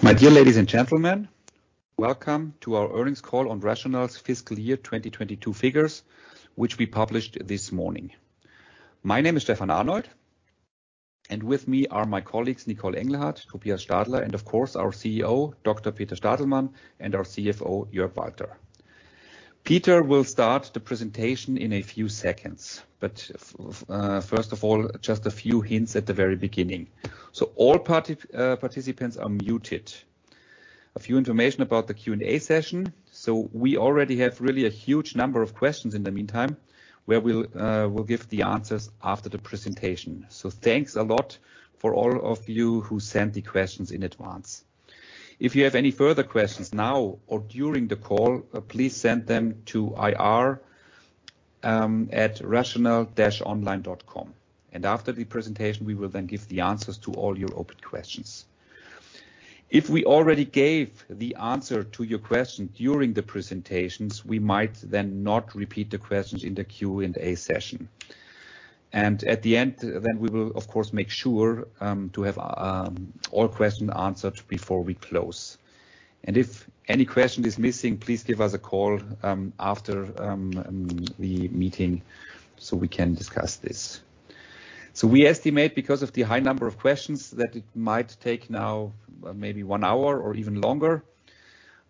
My dear ladies and gentlemen, welcome to our earnings call on RATIONAL's fiscal year 2022 figures, which we published this morning. My name is Stefan Arnold, and with me are my colleagues Nicole Engelhardt, Tobias Stadler, and of course, our CEO, Dr. Peter Stadelmann, and our CFO, Jörg Walter. Peter will start the presentation in a few seconds, but first of all, just a few hints at the very beginning. All participants are muted. A few information about the Q&A session. We already have really a huge number of questions in the meantime, where we'll give the answers after the presentation. Thanks a lot for all of you who sent the questions in advance. If you have any further questions now or during the call, please send them to IR @rational-online.com. After the presentation, we will then give the answers to all your open questions. If we already gave the answer to your question during the presentations, we might then not repeat the questions in the Q&A session. At the end, then we will of course, make sure to have all questions answered before we close. If any question is missing, please give us a call after the meeting so we can discuss this. We estimate because of the high number of questions that it might take now maybe one hour or even longer.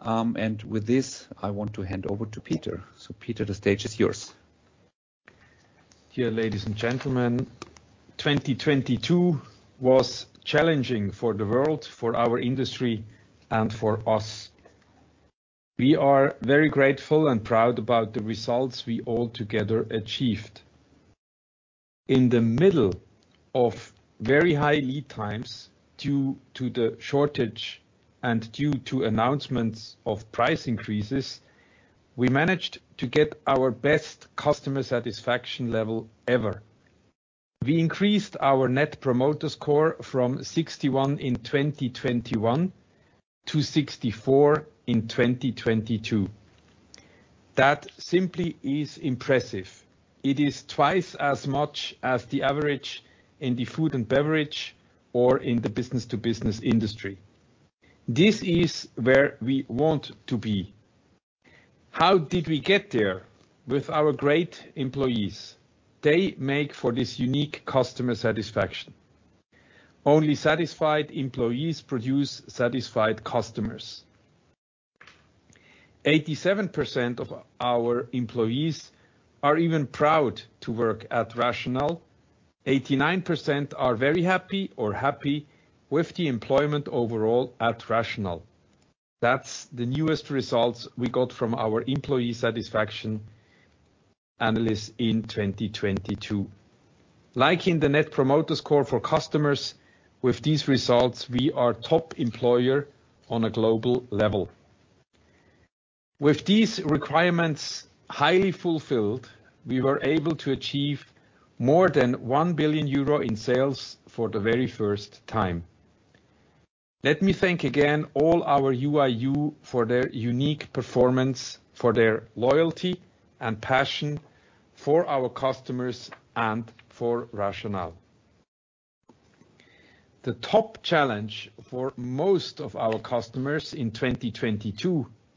With this, I want to hand over to Peter. Peter, the stage is yours. Dear ladies and gentlemen, 2022 was challenging for the world, for our industry, and for us. We are very grateful and proud about the results we all together achieved. In the middle of very high lead times, due to the shortage and due to announcements of price increases, we managed to get our best customer satisfaction level ever. We increased our Net Promoter Score from 61 in 2021 to 64 in 2022. That simply is impressive. It is twice as much as the average in the food and beverage or in the business-to-business industry. This is where we want to be. How did we get there? With our great employees. They make for this unique customer satisfaction. Only satisfied employees produce satisfied customers. 87% of our employees are even proud to work at RATIONAL. 89% are very happy or happy with the employment overall at RATIONAL. That's the newest results we got from our employee satisfaction analysts in 2022. Like in the Net Promoter Score for customers, with these results, we are top employer on a global level. With these requirements highly fulfilled, we were able to achieve more than 1 billion euro in sales for the very first time. Let me thank again all our U.i.U. for their unique performance, for their loyalty and passion for our customers and for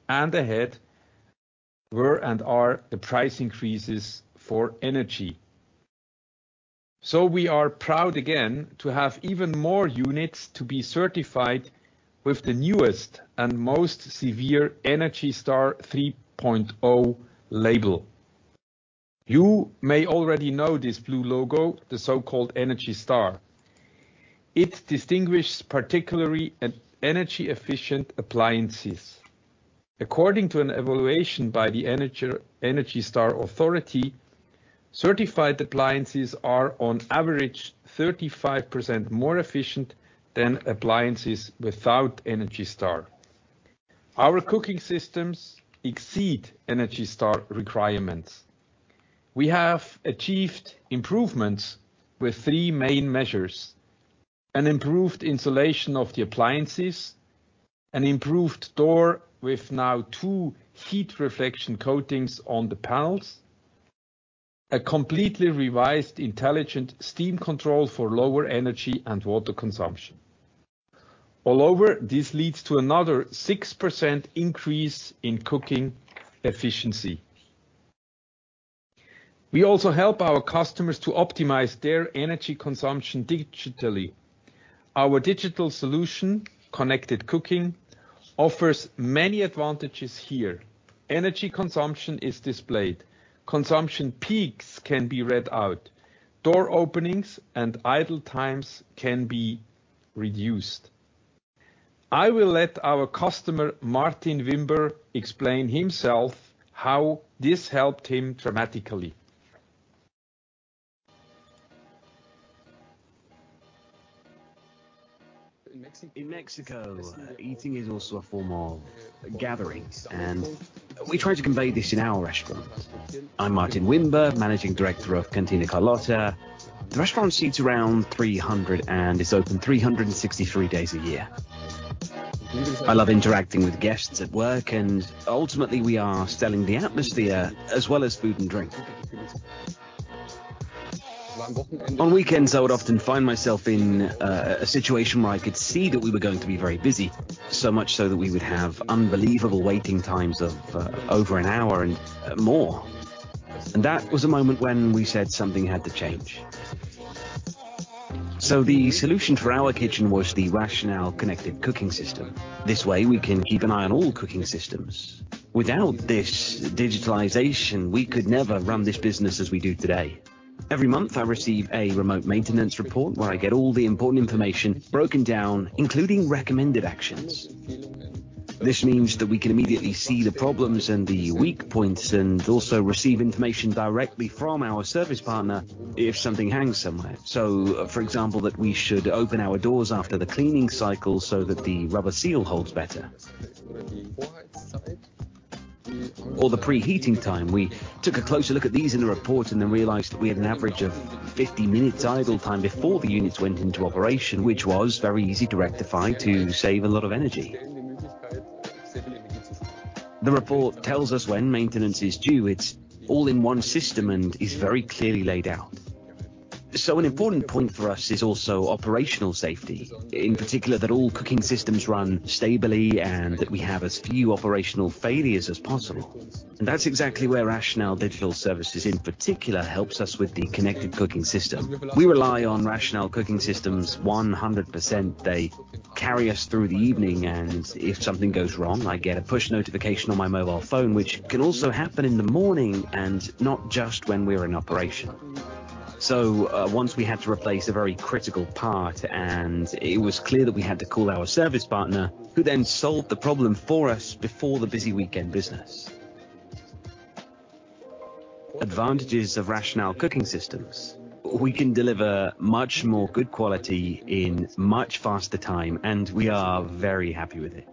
RATIONAL. We are proud again to have even more units to be certified with the newest and most severe ENERGY STAR 3.0 label. You may already know this blue logo, the so-called ENERGY STAR. It distinguishes particularly e-energy efficient appliances. According to an evaluation by the ENERGY STAR Authority, certified appliances are on average 35% more efficient than appliances without ENERGY STAR. Our cooking systems exceed ENERGY STAR requirements. We have achieved improvements with three main measures: an improved insulation of the appliances, an improved door with now two heat reflection coatings on the panels, a completely revised intelligent steam control for lower energy and water consumption. All over, this leads to another 6% increase in cooking efficiency. We also help our customers to optimize their energy consumption digitally. Our digital solution, ConnectedCooking, offers many advantages here. Energy consumption is displayed. Consumption peaks can be read out. Door openings and idle times can be reduced. I will let our customer, Martin Wimber, explain himself how this helped him dramatically. In Mexico, eating is also a form of gatherings, and we try to convey this in our restaurant. I'm Martin Wimber, managing director of Cantina Carlotta. The restaurant seats around 300 and is open 363 days a year. I love interacting with guests at work, and ultimately, we are selling the atmosphere as well as food and drink. On weekends, I would often find myself in a situation where I could see that we were going to be very busy, so much so that we would have unbelievable waiting times of over an hour and more. That was a moment when we said something had to change. The solution for our kitchen was the RATIONAL ConnectedCooking system. This way we can keep an eye on all cooking systems. Without this digitalization, we could never run this business as we do today. Every month, I receive a remote maintenance report where I get all the important information broken down, including recommended actions. This means that we can immediately see the problems and the weak points, and also receive information directly from our service partner if something hangs somewhere. For example, that we should open our doors after the cleaning cycle so that the rubber seal holds better. The preheating time. We took a closer look at these in the report and then realized that we had an average of 50 minutes idle time before the units went into operation, which was very easy to rectify to save a lot of energy. The report tells us when maintenance is due. It's all in one system and is very clearly laid out. An important point for us is also operational safety. In particular, that all cooking systems run stably and that we have as few operational failures as possible. That's exactly where RATIONAL Digital Services in particular helps us with the ConnectedCooking system. We rely on RATIONAL Cooking systems 100%. They carry us through the evening. If something goes wrong, I get a push notification on my mobile phone, which can also happen in the morning and not just when we're in operation. Once we had to replace a very critical part, it was clear that we had to call our service partner, who then solved the problem for us before the busy weekend business. Advantages of RATIONAL Cooking systems. We can deliver much more good quality in much faster time. We are very happy with it.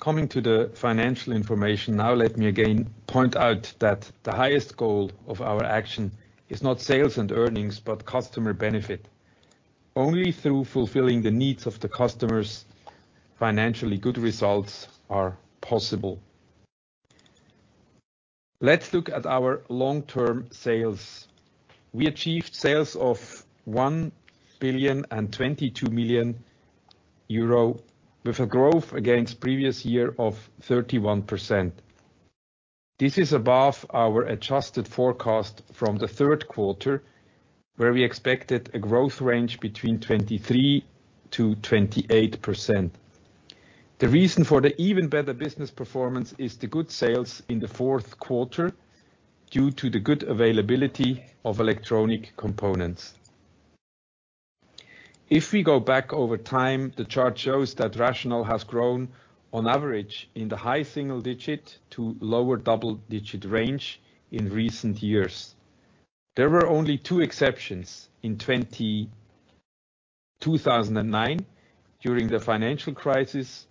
Coming to the financial information now, let me again point out that the highest goal of our action is not sales and earnings, but customer benefit. Only through fulfilling the needs of the customers, financially good results are possible. Let's look at our long-term sales. We achieved sales of 1 billion and 22 million euro with a growth against previous year of 31%. This is above our adjusted forecast from the third quarter, where we expected a growth range between 23%-28%. The reason for the even better business performance is the good sales in the fourth quarter, due to the good availability of electronic components. If we go back over time, the chart shows that RATIONAL has grown on average in the high single-digit to lower double-digit range in recent years. There were only two exceptions. In 20... 2009, during the financial crisis,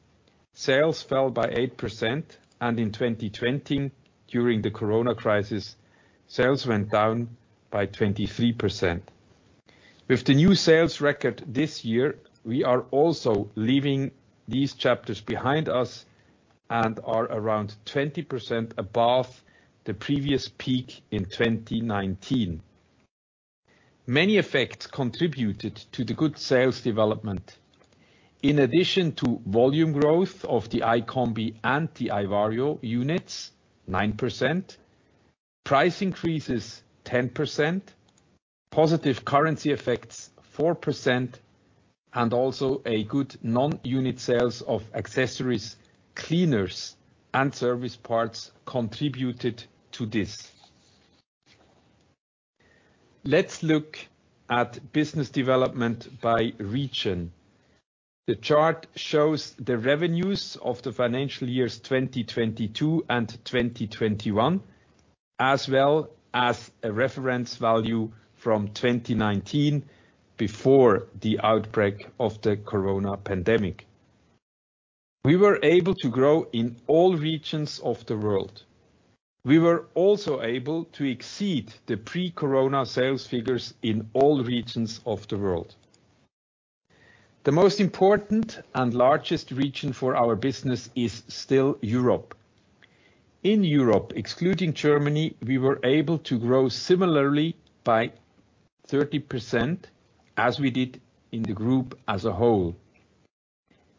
sales fell by 8%. In 2020, during the COVID-19 crisis, sales went down by 23%. With the new sales record this year, we are also leaving these chapters behind us and are around 20% above the previous peak in 2019. Many effects contributed to the good sales development. In addition to volume growth of the iCombi and the iVario units, 9%, price increases, 10%, positive currency effects, 4%, also a good non-unit sales of accessories, cleaners, and service parts contributed to this. Let's look at business development by region. The chart shows the revenues of the financial years 2022 and 2021, as well as a reference value from 2019 before the outbreak of the COVID-19 pandemic. We were able to grow in all regions of the world. We were also able to exceed the pre-corona sales figures in all regions of the world. The most important and largest region for our business is still Europe. In Europe, excluding Germany, we were able to grow similarly by 30% as we did in the group as a whole.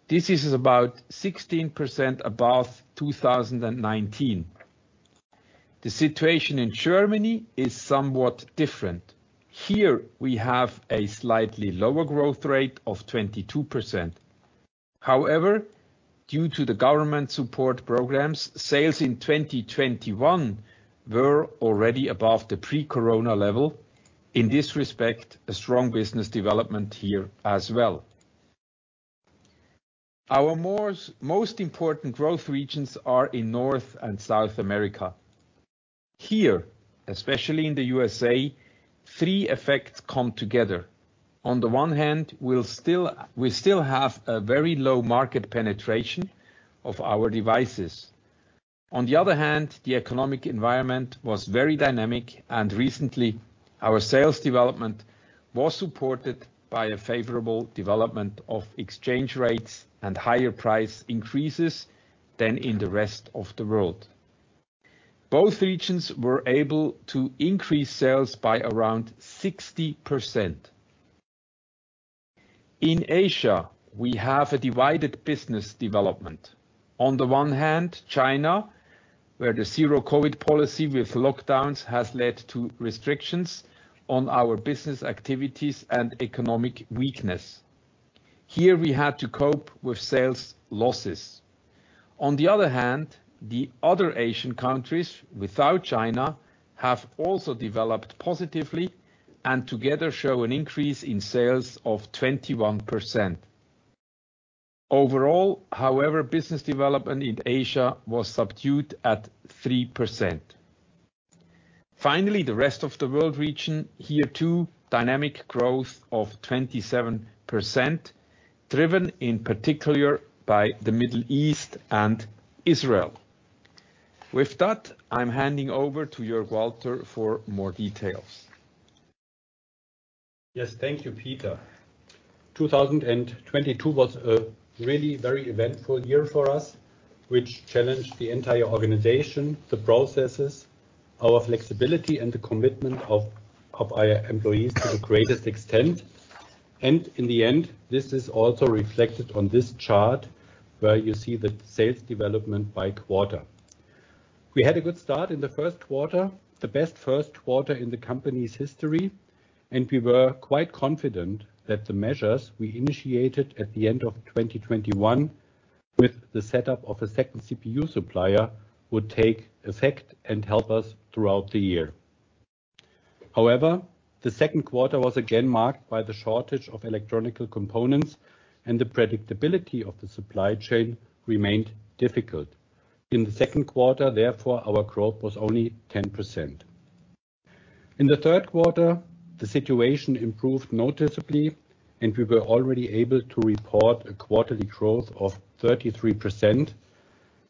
This is about 16% above 2019. The situation in Germany is somewhat different. Here we have a slightly lower growth rate of 22%. However, due to the government support programs, sales in 2021 were already above the pre-corona level. In this respect, a strong business development here as well. Our most important growth regions are in North and South America. Here, especially in the USA, three effects come together. On the one hand, we still have a very low market penetration of our devices. On the other hand, the economic environment was very dynamic, and recently, our sales development was supported by a favorable development of exchange rates and higher price increases than in the rest of the world. Both regions were able to increase sales by around 60%. In Asia, we have a divided business development. On the one hand, China, where the zero-COVID policy with lockdowns has led to restrictions on our business activities and economic weakness. Here, we had to cope with sales losses. On the other hand, the other Asian countries without China have also developed positively and together show an increase in sales of 21%. Overall, however, business development in Asia was subdued at 3%. The rest of the world region. Here too, dynamic growth of 27%, driven in particular by the Middle East and Israel. With that, I'm handing over to Jörg Walter for more details. Yes. Thank you, Peter. 2022 was a really very eventful year for us, which challenged the entire organization, the processes, our flexibility, and the commitment of our employees to the greatest extent. In the end, this is also reflected on this chart where you see the sales development by quarter. We had a good start in the first quarter, the best first quarter in the company's history, and we were quite confident that the measures we initiated at the end of 2021 with the setup of a second CPU supplier would take effect and help us throughout the year. The second quarter was again marked by the shortage of electronic components, and the predictability of the supply chain remained difficult. In the second quarter, therefore, our growth was only 10%. In the third quarter, the situation improved noticeably. We were already able to report a quarterly growth of 33%.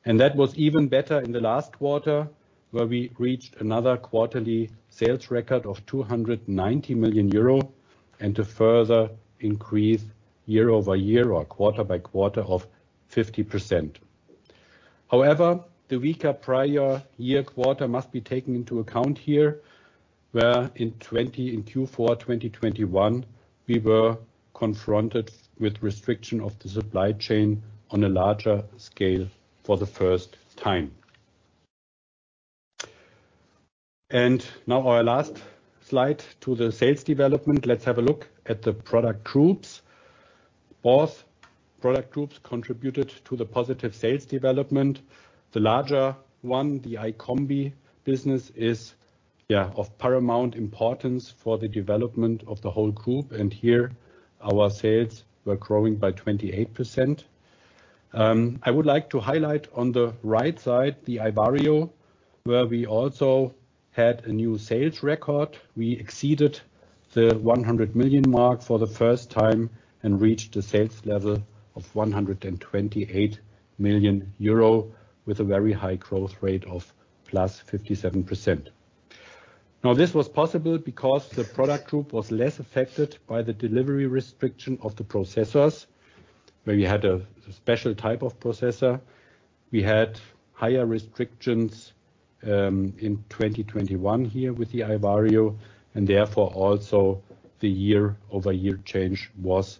That was even better in the last quarter, where we reached another quarterly sales record of 290 million euro and a further increase year-over-year or quarter-by-quarter of 50%. However, the weaker prior year quarter must be taken into account here, where in Q4 2021, we were confronted with restriction of the supply chain on a larger scale for the first time. Now our last slide to the sales development. Let's have a look at the product groups. Both product groups contributed to the positive sales development. The larger one, the iCombi business, is, yeah, of paramount importance for the development of the whole group, and here our sales were growing by 28%. I would like to highlight on the right side the iVario, where we also had a new sales record. We exceeded the 100 million mark for the first time and reached a sales level of 128 million euro with a very high growth rate of +57%. This was possible because the product group was less affected by the delivery restriction of the processors, where we had a special type of processor. We had higher restrictions in 2021 here with the iVario, therefore also the year-over-year change was,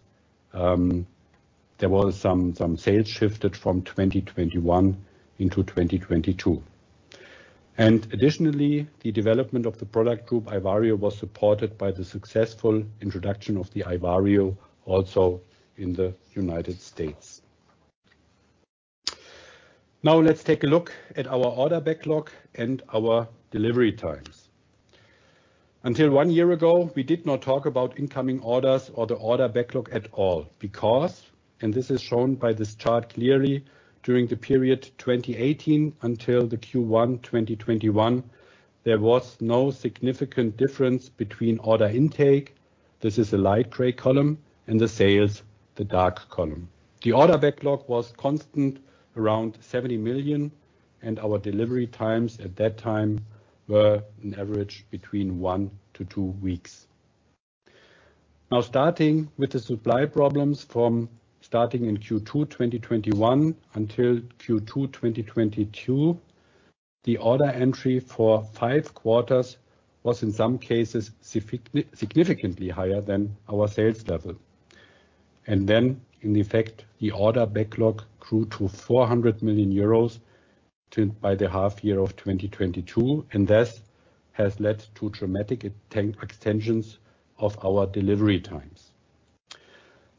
there was some sales shifted from 2021 into 2022. Additionally, the development of the product group iVario was supported by the successful introduction of the iVario also in the United States. Let's take a look at our order backlog and our delivery times. Until one year ago, we did not talk about incoming orders or the order backlog at all because, this is shown by this chart clearly, during the period 2018 until the Q1 2021, there was no significant difference between order intake, this is a light gray column, and the sales, the dark column. The order backlog was constant around 70 million, and our delivery times at that time were an average between 1-2 weeks. Now, starting with the supply problems from starting in Q2 2021 until Q2 2022, the order entry for five quarters was in some cases significantly higher than our sales level. In effect, the order backlog grew to 400 million euros till by the half year of 2022, and thus has led to dramatic extensions of our delivery times.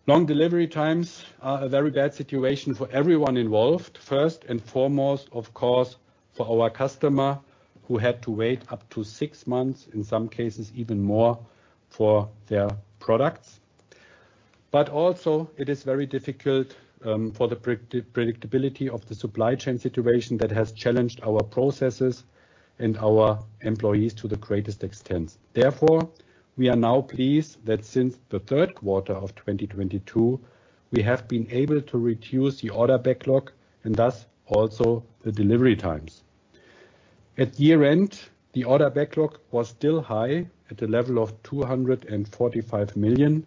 Long delivery times are a very bad situation for everyone involved, first and foremost, of course, for our customer who had to wait up to six months, in some cases even more, for their products. It is very difficult, for the predictability of the supply chain situation that has challenged our processes and our employees to the greatest extent. Therefore, we are now pleased that since the third quarter of 2022, we have been able to reduce the order backlog and thus also the delivery times. At year-end, the order backlog was still high at the level of 245 million.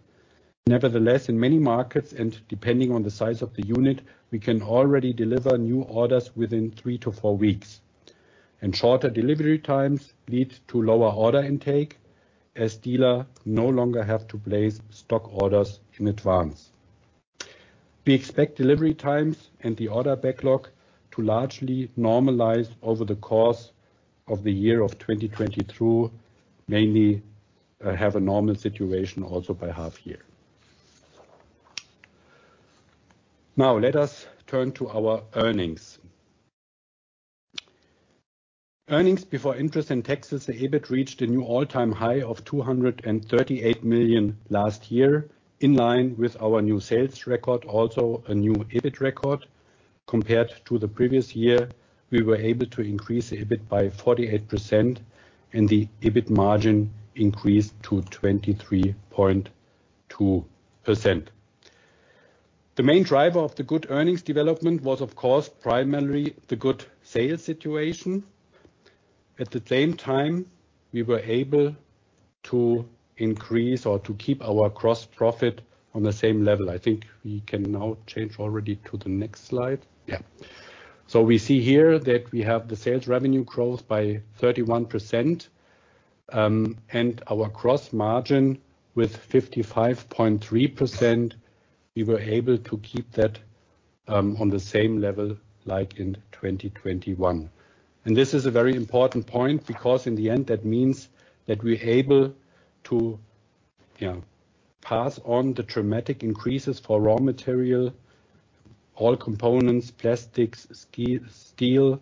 Nevertheless, in many markets, and depending on the size of the unit, we can already deliver new orders within 3-4 weeks. Shorter delivery times lead to lower order intake, as dealer no longer have to place stock orders in advance. We expect delivery times and the order backlog to largely normalize over the course of the year of 2022, mainly, have a normal situation also by half year. Let us turn to our earnings. Earnings before interest and taxes, the EBIT reached a new all-time high of 238 million last year, in line with our new sales record, also a new EBIT record. Compared to the previous year, we were able to increase the EBIT by 48% and the EBIT margin increased to 23.2%. The main driver of the good earnings development was, of course, primarily the good sales situation. At the same time, we were able to increase or to keep our gross profit on the same level. I think we can now change already to the next slide. Yeah. We see here that we have the sales revenue growth by 31%, and our gross margin with 55.3%, we were able to keep that on the same level like in 2021. This is a very important point because in the end, that means that we're able to, you know, pass on the dramatic increases for raw material, all components, plastics, steel,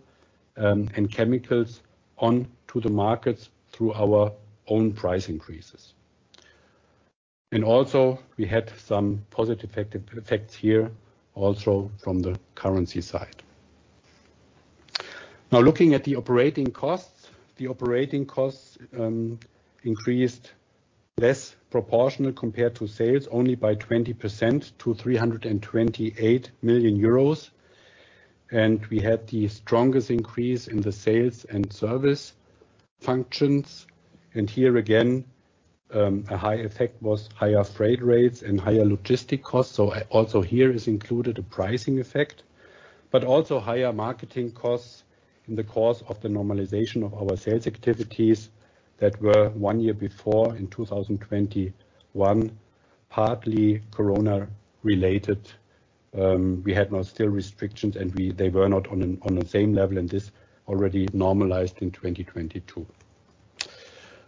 and chemicals onto the markets through our own price increases. Also, we had some positive effects here also from the currency side. Now looking at the operating costs. The operating costs increased less proportional compared to sales, only by 20% to 328 million euros. We had the strongest increase in the sales and service functions. Here again, a high effect was higher freight rates and higher logistic costs. also here is included a pricing effect, but also higher marketing costs in the course of the normalization of our sales activities that were one year before in 2021, partly corona-related. We had now still restrictions, and they were not on the same level, and this already normalized in 2022.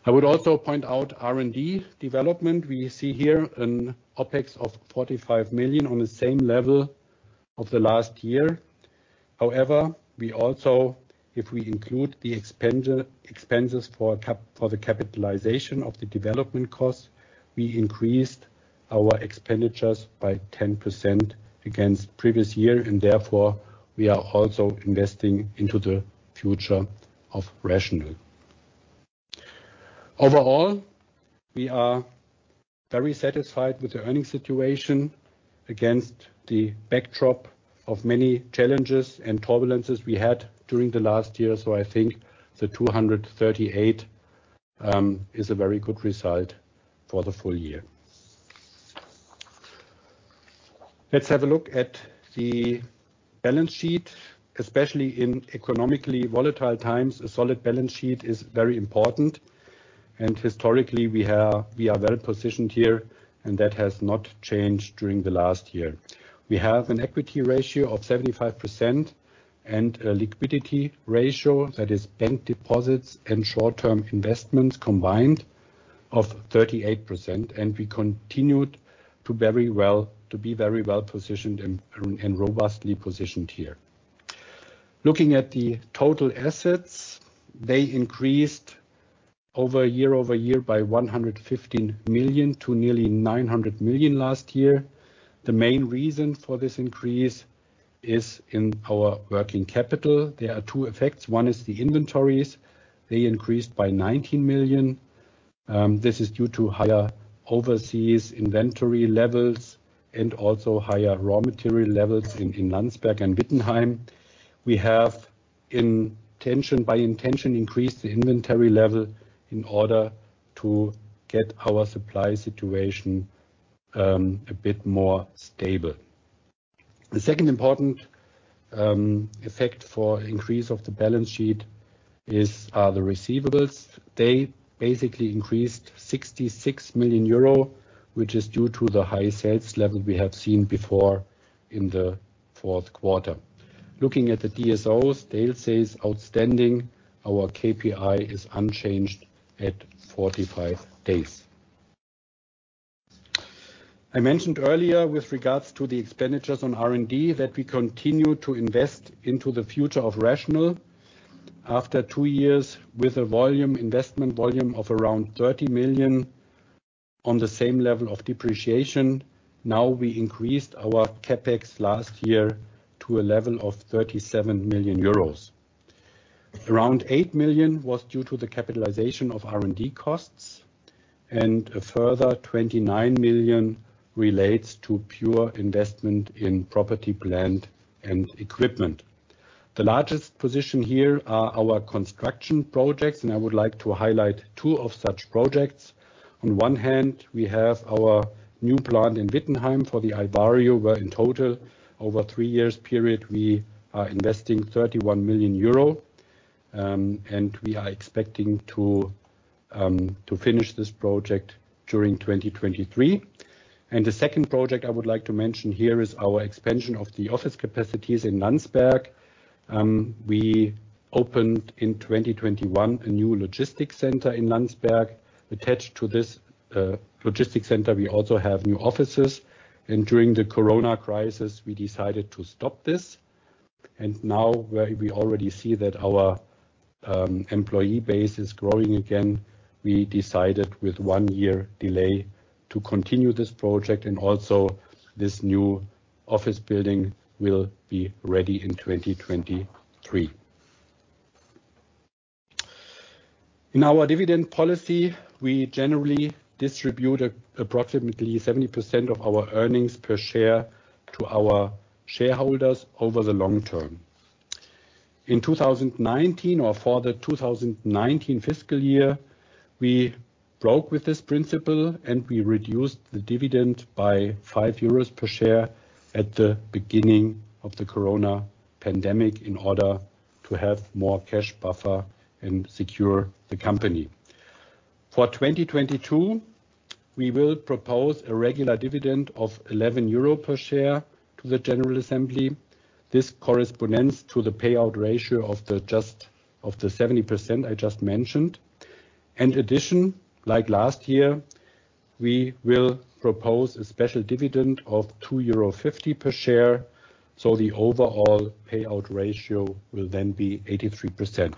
I would also point out R&D development. We see here an OpEx of 45 million on the same level of the last year. However, we also, if we include the expenses for the capitalization of the development costs, we increased our expenditures by 10% against previous year and therefore, we are also investing into the future of RATIONAL. Overall, we are very satisfied with the earning situation against the backdrop of many challenges and turbulences we had during the last year. I think the 238 million is a very good result for the full year. Let's have a look at the balance sheet. Especially in economically volatile times, a solid balance sheet is very important. Historically, we are well-positioned here, and that has not changed during the last year. We have an equity ratio of 75% and a liquidity ratio that is bank deposits and short-term investments combined of 38%, and we continued to be very well-positioned and robustly positioned here. Looking at the total assets, they increased year-over-year by 115 million to nearly 900 million last year. The main reason for this increase is in our working capital. There are two effects. One is the inventories. They increased by 19 million. This is due to higher overseas inventory levels and also higher raw material levels in Landsberg and Wittenheim. We have by intention increased the inventory level in order to get our supply situation a bit more stable. The second important effect for increase of the balance sheet are the receivables. They basically increased 66 million euro, which is due to the high sales level we have seen before in the fourth quarter. Looking at the DSOs, days sales outstanding, our KPI is unchanged at 45 days. I mentioned earlier with regards to the expenditures on R&D that we continue to invest into the future of RATIONAL. After two years with an investment volume of around 30 million on the same level of depreciation, now we increased our CapEx last year to a level of 37 million euros. Around 8 million was due to the capitalization of R&D costs. A further 29 million relates to pure investment in property, plant, and equipment. The largest position here are our construction projects. I would like to highlight two of such projects. On one hand, we have our new plant in Wittenheim for the iVario, where in total over three years period, we are investing 31 million euro. We are expecting to finish this project during 2023. The second project I would like to mention here is our expansion of the office capacities in Landsberg. We opened in 2021 a new logistics center in Landsberg. Attached to this logistics center, we also have new offices. During the corona crisis, we decided to stop this. Now we already see that our employee base is growing again. We decided with one year delay to continue this project and also this new office building will be ready in 2023. In our dividend policy, we generally distribute approximately 70% of our earnings per share to our shareholders over the long term. In 2019, or for the 2019 fiscal year, we broke with this principle, and we reduced the dividend by EUR five per share at the beginning of the COVID-19 pandemic in order to have more cash buffer and secure the company. For 2022, we will propose a regular dividend of 11 euro per share to the General Assembly. This corresponds to the payout ratio of the 70% I just mentioned. In addition, like last year, we will propose a special dividend of 2.50 euro per share, so the overall payout ratio will then be 83%.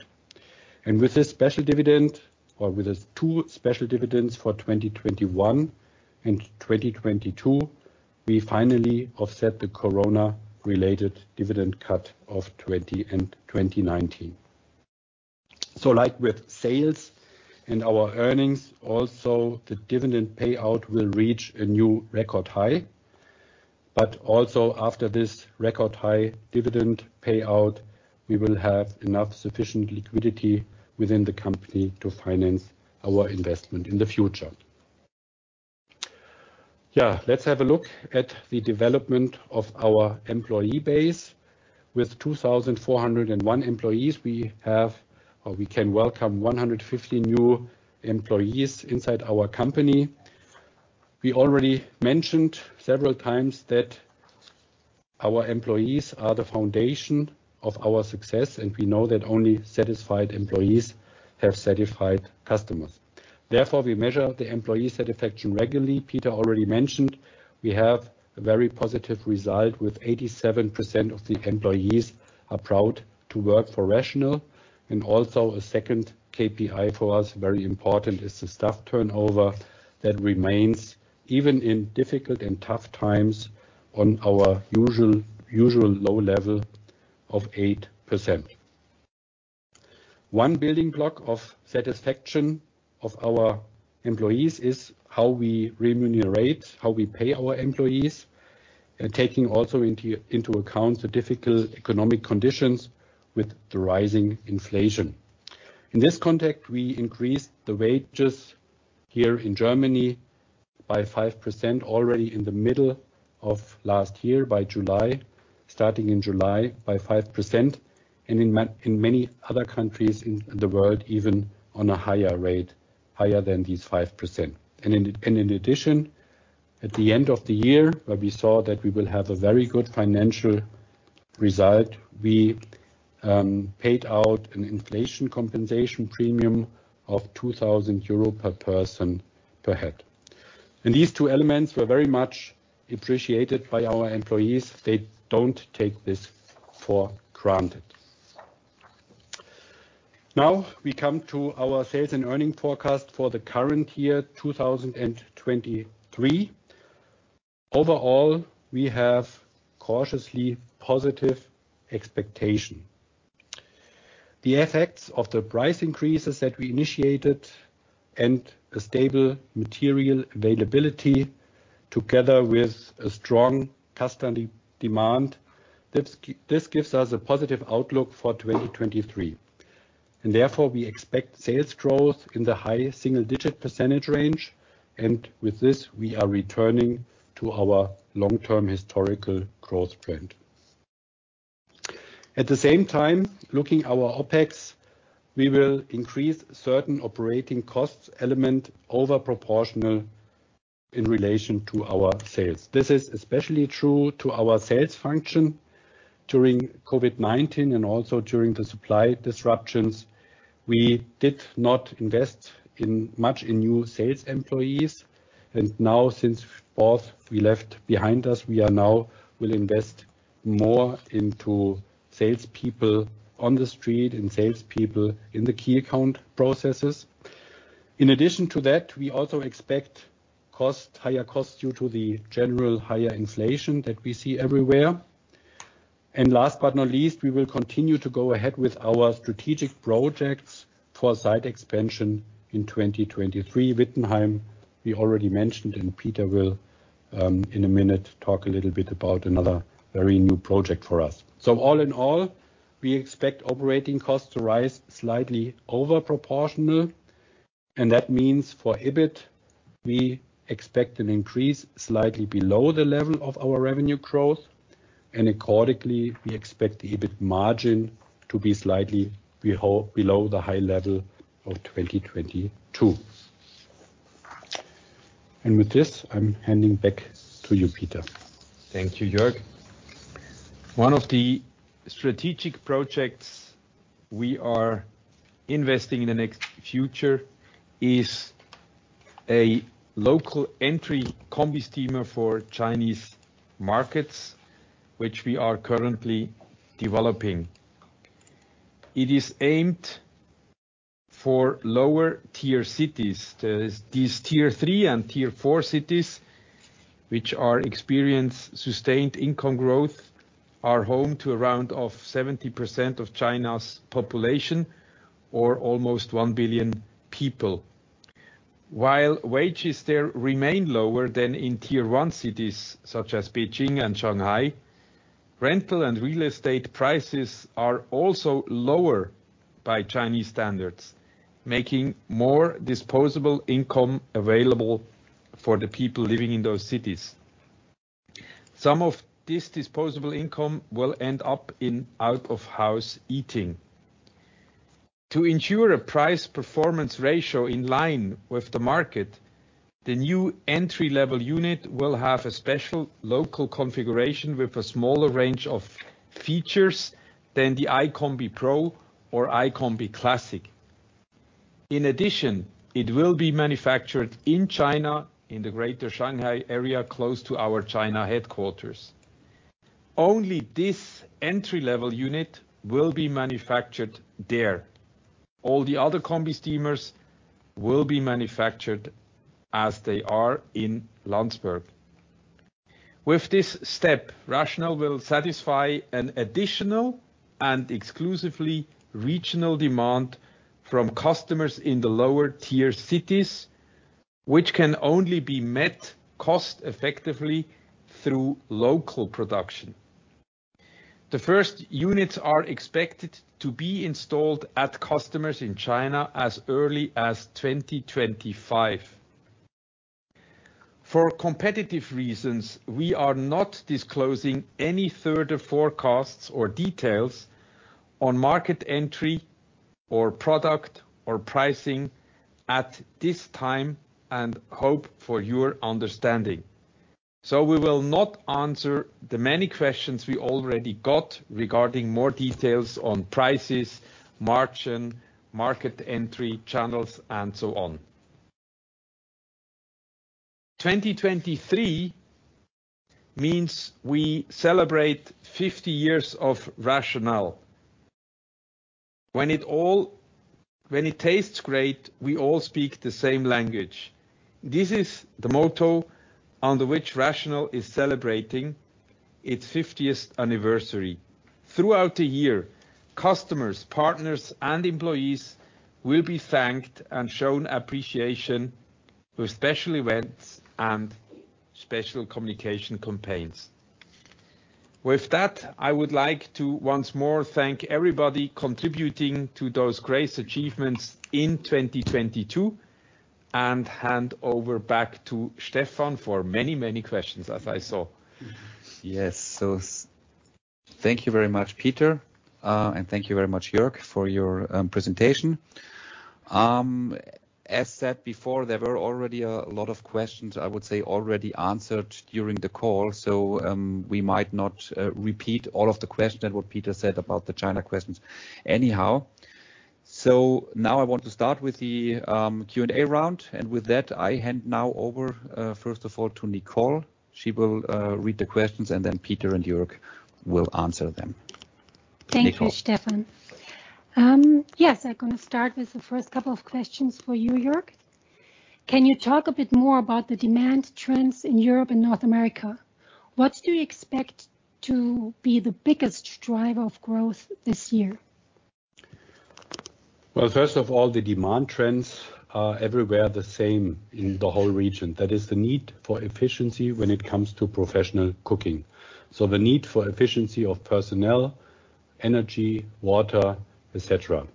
With this special dividend, or with the two special dividends for 2021 and 2022, we finally offset the COVID-19-related dividend cut of 2020 and 2019. Like with sales and our earnings, also the dividend payout will reach a new record high. Also after this record high dividend payout, we will have enough sufficient liquidity within the company to finance our investment in the future. Let's have a look at the development of our employee base. With 2,401 employees, we can welcome 150 new employees inside our company. We already mentioned several times that our employees are the foundation of our success, and we know that only satisfied employees have satisfied customers. Therefore, we measure the employee satisfaction regularly. Peter already mentioned we have a very positive result with 87% of the employees are proud to work for RATIONAL. Also a second KPI for us, very important, is the staff turnover that remains even in difficult and tough times on our usual low level of 8%. One building block of satisfaction of our employees is how we remunerate, how we pay our employees, taking also into account the difficult economic conditions with the rising inflation. In this context, we increased the wages here in Germany by 5% already in the middle of last year, by July, starting in July by 5%, and in many other countries in the world, even on a higher rate, higher than these 5%. In addition, at the end of the year, where we saw that we will have a very good financial result, we paid out an inflation compensation premium of 2,000 euro per person per head. These two elements were very much appreciated by our employees. They don't take this for granted. Now we come to our sales and earning forecast for the current year, 2023. Overall, we have cautiously positive expectation. The effects of the price increases that we initiated and a stable material availability together with a strong customer de-demand, this gives us a positive outlook for 2023. Therefore, we expect sales growth in the high single-digit percentage range. With this, we are returning to our long-term historical growth trend. At the same time, looking our OpEx, we will increase certain operating costs element over proportional in relation to our sales. This is especially true to our sales function during COVID-19 and also during the supply disruptions. We did not invest in much in new sales employees. Now since both we left behind us, we are now will invest more into salespeople on the street and salespeople in the key account processes. In addition to that, we also expect higher costs due to the general higher inflation that we see everywhere. Last but not least, we will continue to go ahead with our strategic projects for site expansion in 2023. Wittenheim, we already mentioned, and Peter will, in a minute talk a little bit about another very new project for us. All in all, we expect operating costs to rise slightly over proportional. That means for EBIT, we expect an increase slightly below the level of our revenue growth. Accordingly, we expect the EBIT margin to be slightly below the high level of 2022. With this, I'm handing back to you, Peter. Thank you, Jörg. One of the strategic projects we are investing in the next future is a local entry combi-steamer for Chinese markets, which we are currently developing. It is aimed for lower Tier cities. There's these Tier three and Tier four cities which are experience sustained income growth, are home to around of 70% of China's population or almost 1 billion people. While wages there remain lower than in Tier one cities, such as Beijing and Shanghai, rental and real estate prices are also lower by Chinese standards, making more disposable income available for the people living in those cities. Some of this disposable income will end up in out-of-house eating. To ensure a price performance ratio in line with the market, the new entry-level unit will have a special local configuration with a smaller range of features than the iCombi Pro or iCombi Classic. In addition, it will be manufactured in China, in the greater Shanghai area, close to our China headquarters. Only this entry-level unit will be manufactured there. All the other combi steamers will be manufactured as they are in Landsberg. With this step, RATIONAL will satisfy an additional and exclusively regional demand from customers in the lower Tier cities, which can only be met cost effectively through local production. The first units are expected to be installed at customers in China as early as 2025. For competitive reasons, we are not disclosing any further forecasts or details on market entry or product or pricing at this time and hope for your understanding. We will not answer the many questions we already got regarding more details on prices, margin, market entry channels, and so on. 2023 means we celebrate 50 years of RATIONAL. When it tastes great, we all speak the same language. This is the motto under which RATIONAL is celebrating its fiftieth anniversary. Throughout the year, customers, partners, and employees will be thanked and shown appreciation with special events and special communication campaigns. I would like to once more thank everybody contributing to those great achievements in 2022 and hand over back to Stefan for many questions as I saw. Yes. Thank you very much, Peter, and thank you very much, Jörg, for your presentation. As said before, there were already a lot of questions, I would say, already answered during the call. We might not repeat all of the questions and what Peter said about the China questions anyhow. Now I want to start with the Q&A round. With that, I hand now over, first of all to Nicole. She will read the questions, and then Peter and Jörg will answer them. Nicole. Thank you, Stefan. Yes, I'm gonna start with the first couple of questions for you, Jörg. Can you talk a bit more about the demand trends in Europe and North America? What do you expect to be the biggest driver of growth this year? First of all, the demand trends are everywhere the same in the whole region. That is the need for efficiency when it comes to professional cooking. The need for efficiency of personnel, energy, water, et cetera.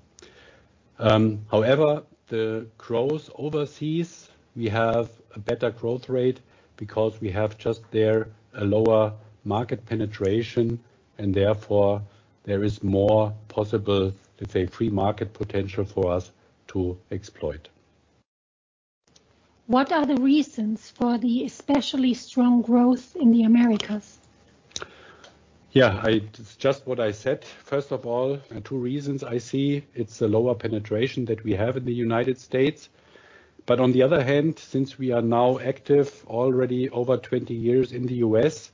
However, the growth overseas, we have a better growth rate because we have just there a lower market penetration and therefore there is more possible, let's say, free market potential for us to exploit. What are the reasons for the especially strong growth in the Americas? Yeah, it's just what I said. First of all, the two reasons I see, it's the lower penetration that we have in the United States. On the other hand, since we are now active already over 20 years in the U.S.,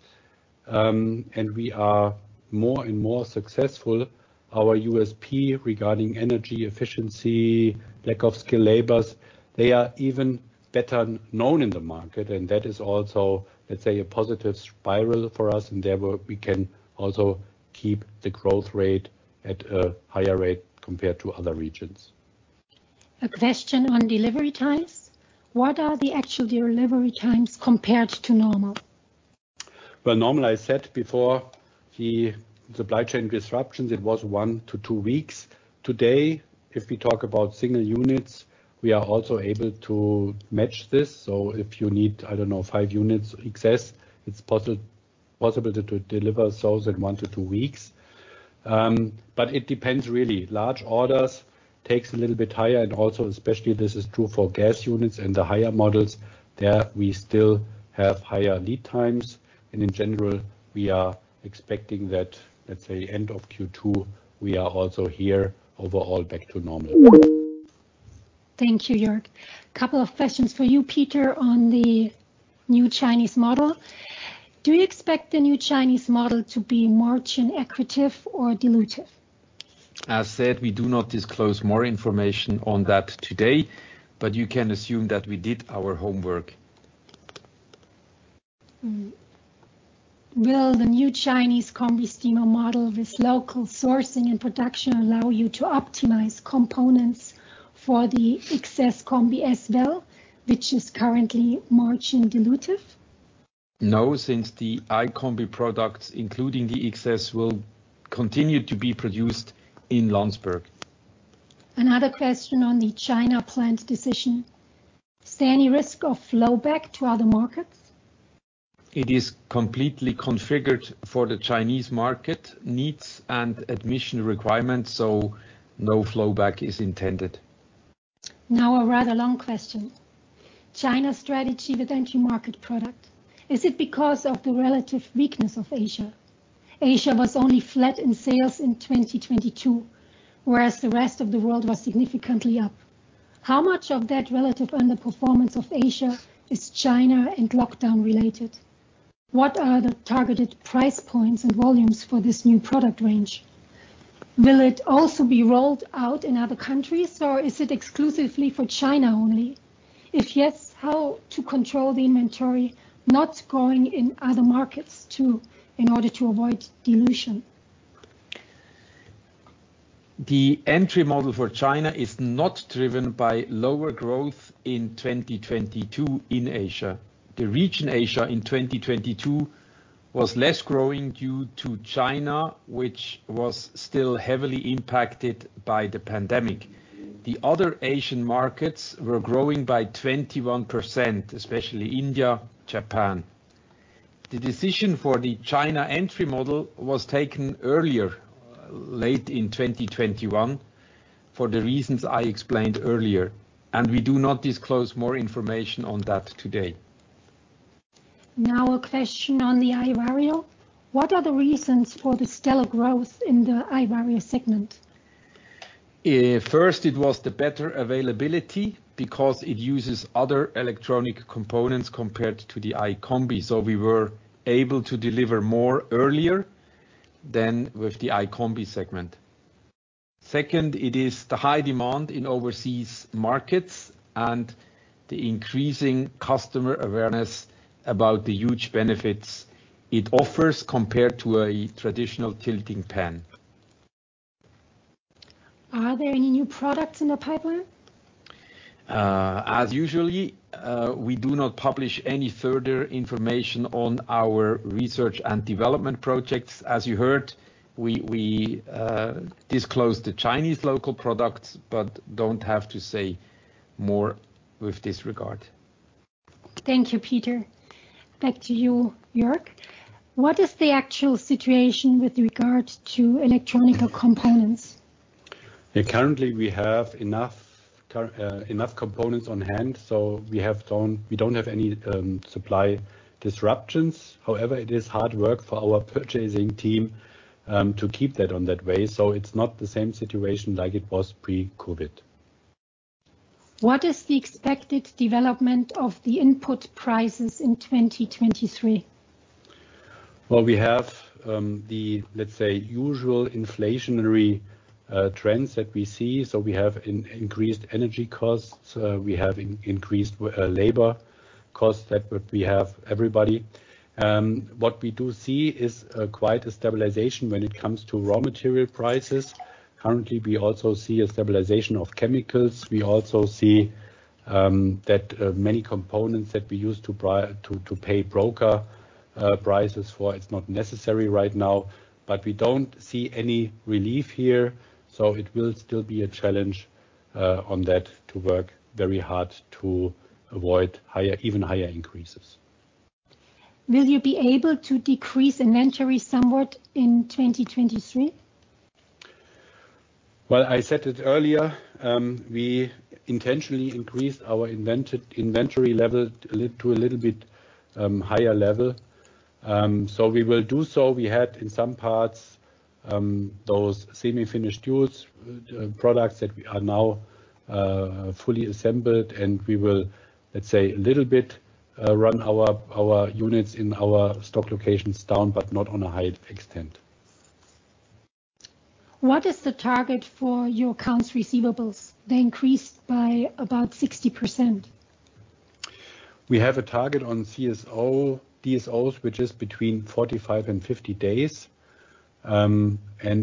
and we are more and more successful, our USP regarding energy efficiency, lack of skilled labors, they are even better known in the market, and that is also, let's say, a positive spiral for us. Therefore, we can also keep the growth rate at a higher rate compared to other regions. A question on delivery times. What are the actual delivery times compared to normal? Normal, I said before, the supply chain disruptions, it was 1-2 weeks. Today, if we talk about single units, we are also able to match this. If you need, I don't know, five units excess, it's possible to deliver those in 1-2 weeks. It depends really. Large orders takes a little bit higher, and also especially this is true for gas units and the higher models. There we still have higher lead times, and in general, we are expecting that, let's say end of Q2, we are also here overall back to normal. Thank you, Jörg. Couple of questions for you, Peter, on the new Chinese model. Do you expect the new Chinese model to be margin accretive or dilutive? As said, we do not disclose more information on that today, but you can assume that we did our homework. Will the new Chinese combi-steamer model with local sourcing and production allow you to optimize components for the XS Combi as well, which is currently margin dilutive? No, since the iCombi products, including the XS, will continue to be produced in Landsberg. Another question on the China plant decision. Is there any risk of flow back to other markets? It is completely configured for the Chinese market needs and emission requirements. No flow back is intended. A rather long question. China strategy with entry market product. Is it because of the relative weakness of Asia? Asia was only flat in sales in 2022, whereas the rest of the world was significantly up. How much of that relative underperformance of Asia is China and lockdown related? What are the targeted price points and volumes for this new product range? Will it also be rolled out in other countries, or is it exclusively for China only? If yes, how to control the inventory not going in other markets too in order to avoid dilution? The entry model for China is not driven by lower growth in 2022 in Asia. The region Asia in 2022 was less growing due to China, which was still heavily impacted by the pandemic. The other Asian markets were growing by 21%, especially India, Japan. The decision for the China entry model was taken earlier, late in 2021, for the reasons I explained earlier, and we do not disclose more information on that today. Now a question on the iVario. What are the reasons for the stellar growth in the iVario segment? First, it was the better availability because it uses other electronic components compared to the iCombi. We were able to deliver more earlier than with the iCombi segment. Second, it is the high demand in overseas markets and the increasing customer awareness about the huge benefits it offers compared to a traditional tilting pan. Are there any new products in the pipeline? As usually, we do not publish any further information on our research and development projects. As you heard, we disclosed the Chinese local products, but don't have to say more with this regard. Thank you, Peter. Back to you, Jörg. What is the actual situation with regard to electronic components? Currently, we have enough components on hand. We don't have any supply disruptions. It is hard work for our purchasing team to keep that on that way. It's not the same situation like it was pre-COVID. What is the expected development of the input prices in 2023? Well, we have the, let's say, usual inflationary trends that we see. We have increased energy costs. We have increased labor costs that we have everybody. What we do see is quite a stabilization when it comes to raw material prices. Currently, we also see a stabilization of chemicals. We also see that many components that we used to pay broker prices for, it's not necessary right now. We don't see any relief here. It will still be a challenge on that to work very hard to avoid higher, even higher increases. Will you be able to decrease inventory somewhat in 2023? Well, I said it earlier, we intentionally increased our inventory level to a little bit higher level. We will do so. We had in some parts those semi-finished goods products that we are now fully assembled, and we will, let's say, a little bit run our units in our stock locations down, but not on a high extent. What is the target for your accounts receivables? They increased by about 60%. We have a target on CSO, DSO, which is between 45 and 50 days, and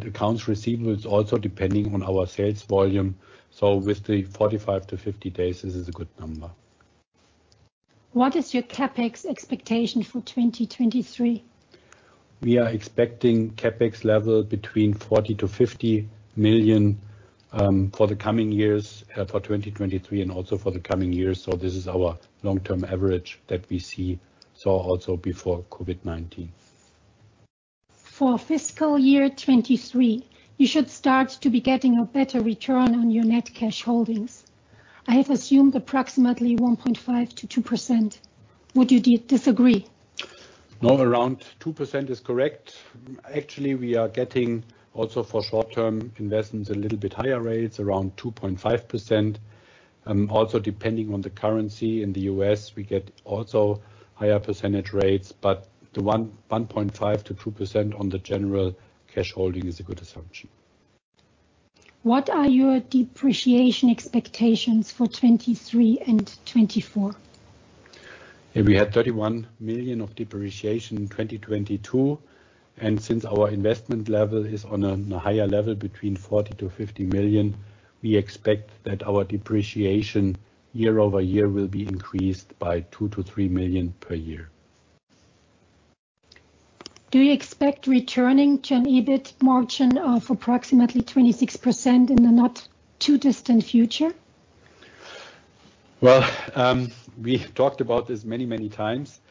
accounts receivables also depending on our sales volume. With the 45-50 days, this is a good number. What is your CapEx expectation for 2023? We are expecting CapEx level between 40 million-50 million for the coming years for 2023 and also for the coming years. This is our long-term average that we see, saw also before COVID-19. For fiscal year 2023, you should start to be getting a better return on your net cash holdings. I have assumed approximately 1.5%-2%. Would you disagree? No, around 2% is correct. Actually, we are getting also for short-term investments a little bit higher rates, around 2.5%. Also depending on the currency in the U.S., we get also higher percentage rates, but 1.5%-2% on the general cash holding is a good assumption. What are your depreciation expectations for 2023 and 2024? We had 31 million of depreciation in 2022. Since our investment level is on a higher level between 40 million-50 million, we expect that our depreciation year-over-year will be increased by 2 million-3 million per year. Do you expect returning to an EBIT margin of approximately 26% in the not too distant future? Well, we talked about this many, many times.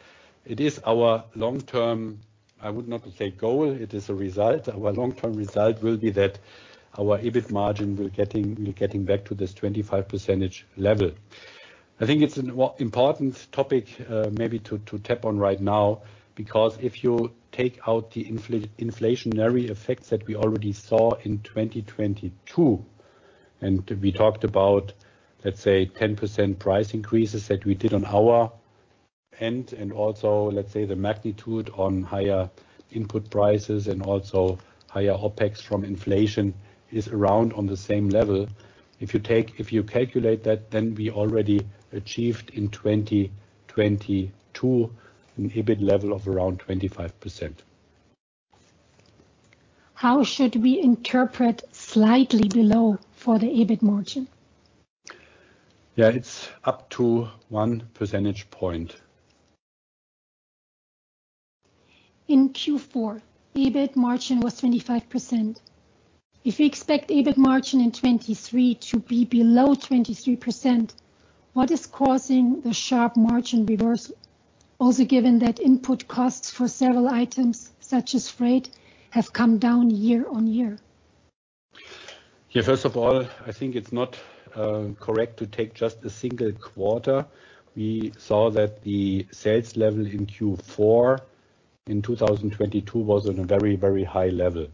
It is our long-term, I would not say goal, it is a result. Our long-term result will be that our EBIT margin will getting back to this 25% level. I think it's an important topic, maybe to tap on right now because if you take out the inflationary effects that we already saw in 2022, and we talked about, let's say, 10% price increases that we did on our end and also, let's say, the magnitude on higher input prices and also higher OpEx from inflation is around on the same level. If you calculate that, then we already achieved in 2022 an EBIT level of around 25%. How should we interpret slightly below for the EBIT margin? Yeah, it's up to one percentage point. In Q4, EBIT margin was 25%. If we expect EBIT margin in 2023 to be below 23%, what is causing the sharp margin reversal, also given that input costs for several items such as freight have come down year-over-year? First of all, I think it's not correct to take just a single quarter. We saw that the sales level in Q4 in 2022 was on a very, very high level.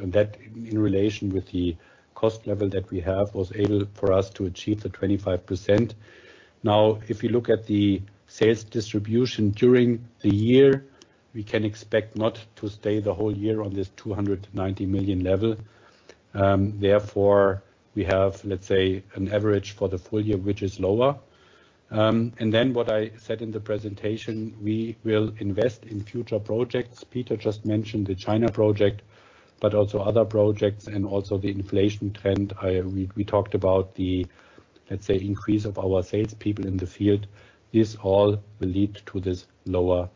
In that, in relation with the cost level that we have, was able for us to achieve the 25%. If you look at the sales distribution during the year, we can expect not to stay the whole year on this 290 million level. Therefore, we have, let's say, an average for the full year, which is lower. What I said in the presentation, we will invest in future projects. Peter just mentioned the China project, but also other projects and also the inflation trend. We talked about the, let's say, increase of our sales people in the field. This all will lead to this lower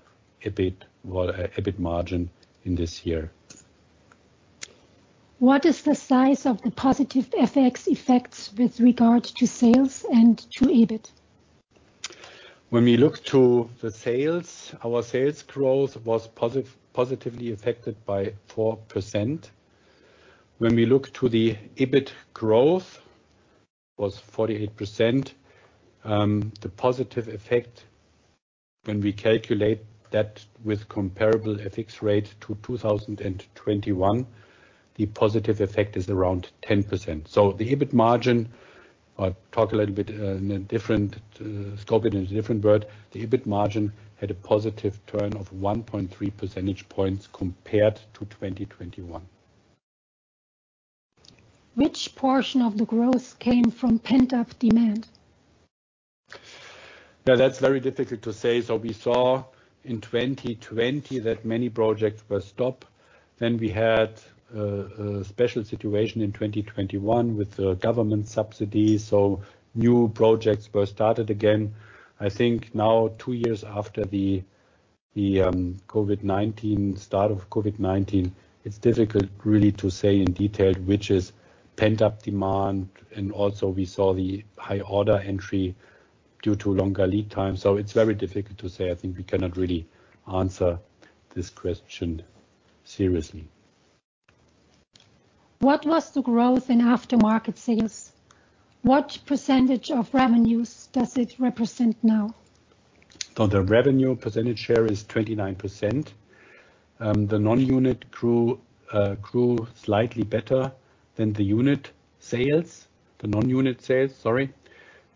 EBIT, well, EBIT margin in this year. What is the size of the positive FX effects with regard to sales and to EBIT? When we look to the sales, our sales growth was positively affected by 4%. When we look to the EBIT growth, was 48%, the positive effect when we calculate that with comparable FX rate to 2021, the positive effect is around 10%. The EBIT margin, I'll talk a little bit, in a different, scope it in a different word, the EBIT margin had a positive turn of 1.3 percentage points compared to 2021. Which portion of the growth came from pent-up demand? Yeah, that's very difficult to say. We saw in 2020 that many projects were stopped. We had special situation in 2021 with the government subsidies, new projects were started again. I think now, two years after the start of COVID-19, it's difficult really to say in detail which is pent-up demand and also we saw the high order entry due to longer lead time. It's very difficult to say. I think we cannot really answer this question seriously. What was the growth in aftermarket sales? What percentage of revenues does it represent now? The revenue percentage share is 29%. The non-unit grew slightly better than the unit sales. The non-unit sales, sorry.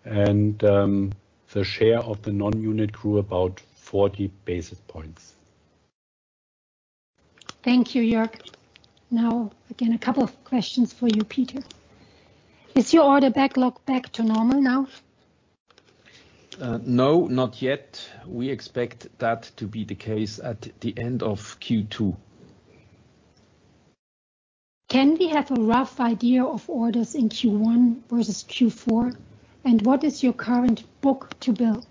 The share of the non-unit grew about 40 basis points. Thank you, Jörg. Now, again, a couple of questions for you, Peter. Is your order backlog back to normal now? No, not yet. We expect that to be the case at the end of Q2. Can we have a rough idea of orders in Q1 versus Q4? What is your current book-to-bill?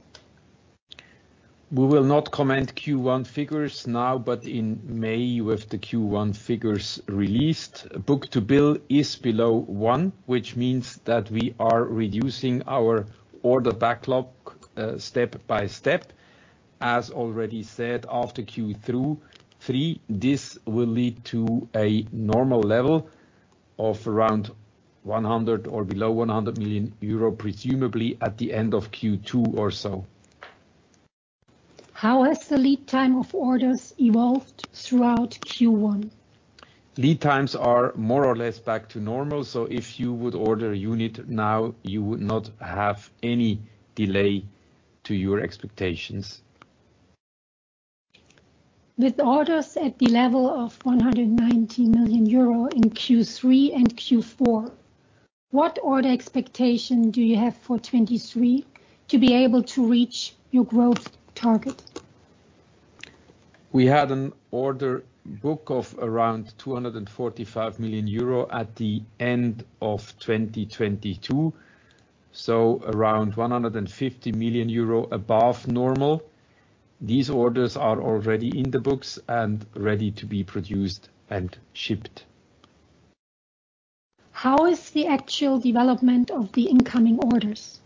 We will not comment Q1 figures now, but in May with the Q1 figures released. book-to-bill is below one, which means that we are reducing our order backlog, step by step. As already said, after Q3, this will lead to a normal level of around 100 million or below 100 million euro, presumably at the end of Q2 or so. How has the lead time of orders evolved throughout Q1? Lead times are more or less back to normal. If you would order a unit now, you would not have any delay to your expectations. With orders at the level of 119 million euro in Q3 and Q4, what order expectation do you have for 2023 to be able to reach your growth target? We had an order book of around 245 million euro at the end of 2022, so around 150 million euro above normal. These orders are already in the books and ready to be produced and shipped. How is the actual development of the incoming orders?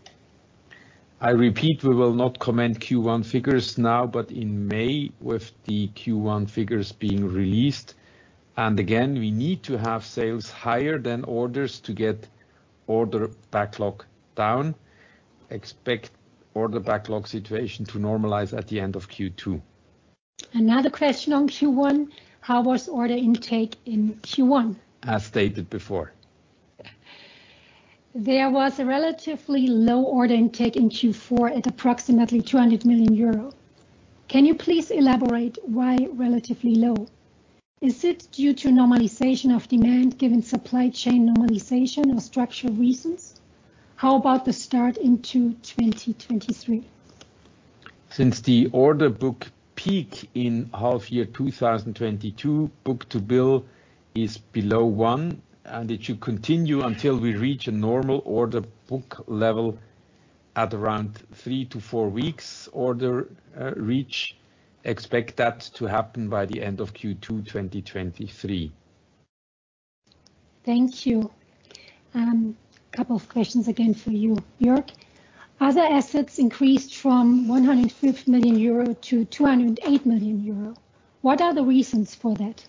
I repeat, we will not comment Q1 figures now, but in May with the Q1 figures being released, and again, we need to have sales higher than orders to get order backlog down. Expect order backlog situation to normalize at the end of Q2. Another question on Q1, how was order intake in Q1? As stated before. There was a relatively low order intake in Q4 at approximately 200 million euro. Can you please elaborate why relatively low? Is it due to normalization of demand given supply chain normalization and structural reasons? How about the start into 2023? Since the order book peak in half year 2022, book-to-bill is below one, and it should continue until we reach a normal order book level at around 3-4 weeks order reach. Expect that to happen by the end of Q2 2023. Thank you. Couple of questions again for you, Jörg. Other assets increased from 150 million-208 million euro. What are the reasons for that?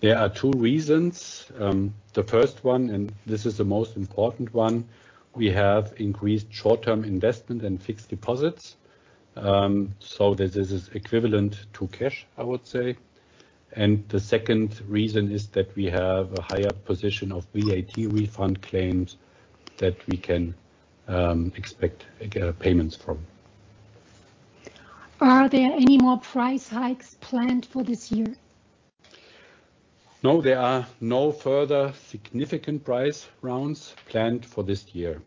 There are two reasons. The first one, and this is the most important one, we have increased short-term investment and fixed deposits. This is equivalent to cash, I would say. The second reason is that we have a higher position of VAT refund claims that we can expect payments from. Are there any more price hikes planned for this year? No, there are no further significant price rounds planned for this year.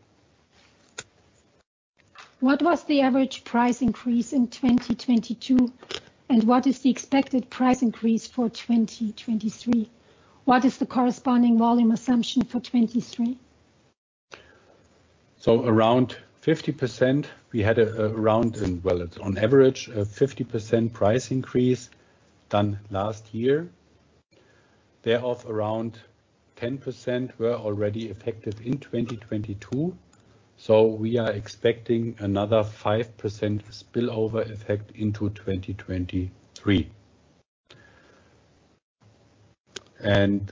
What was the average price increase in 2022, and what is the expected price increase for 2023? What is the corresponding volume assumption for 2023? Around 50%. We had, around, well, on average a 50% price increase than last year. Thereof, around 10% were already effective in 2022. We are expecting another 5% spillover effect into 2023.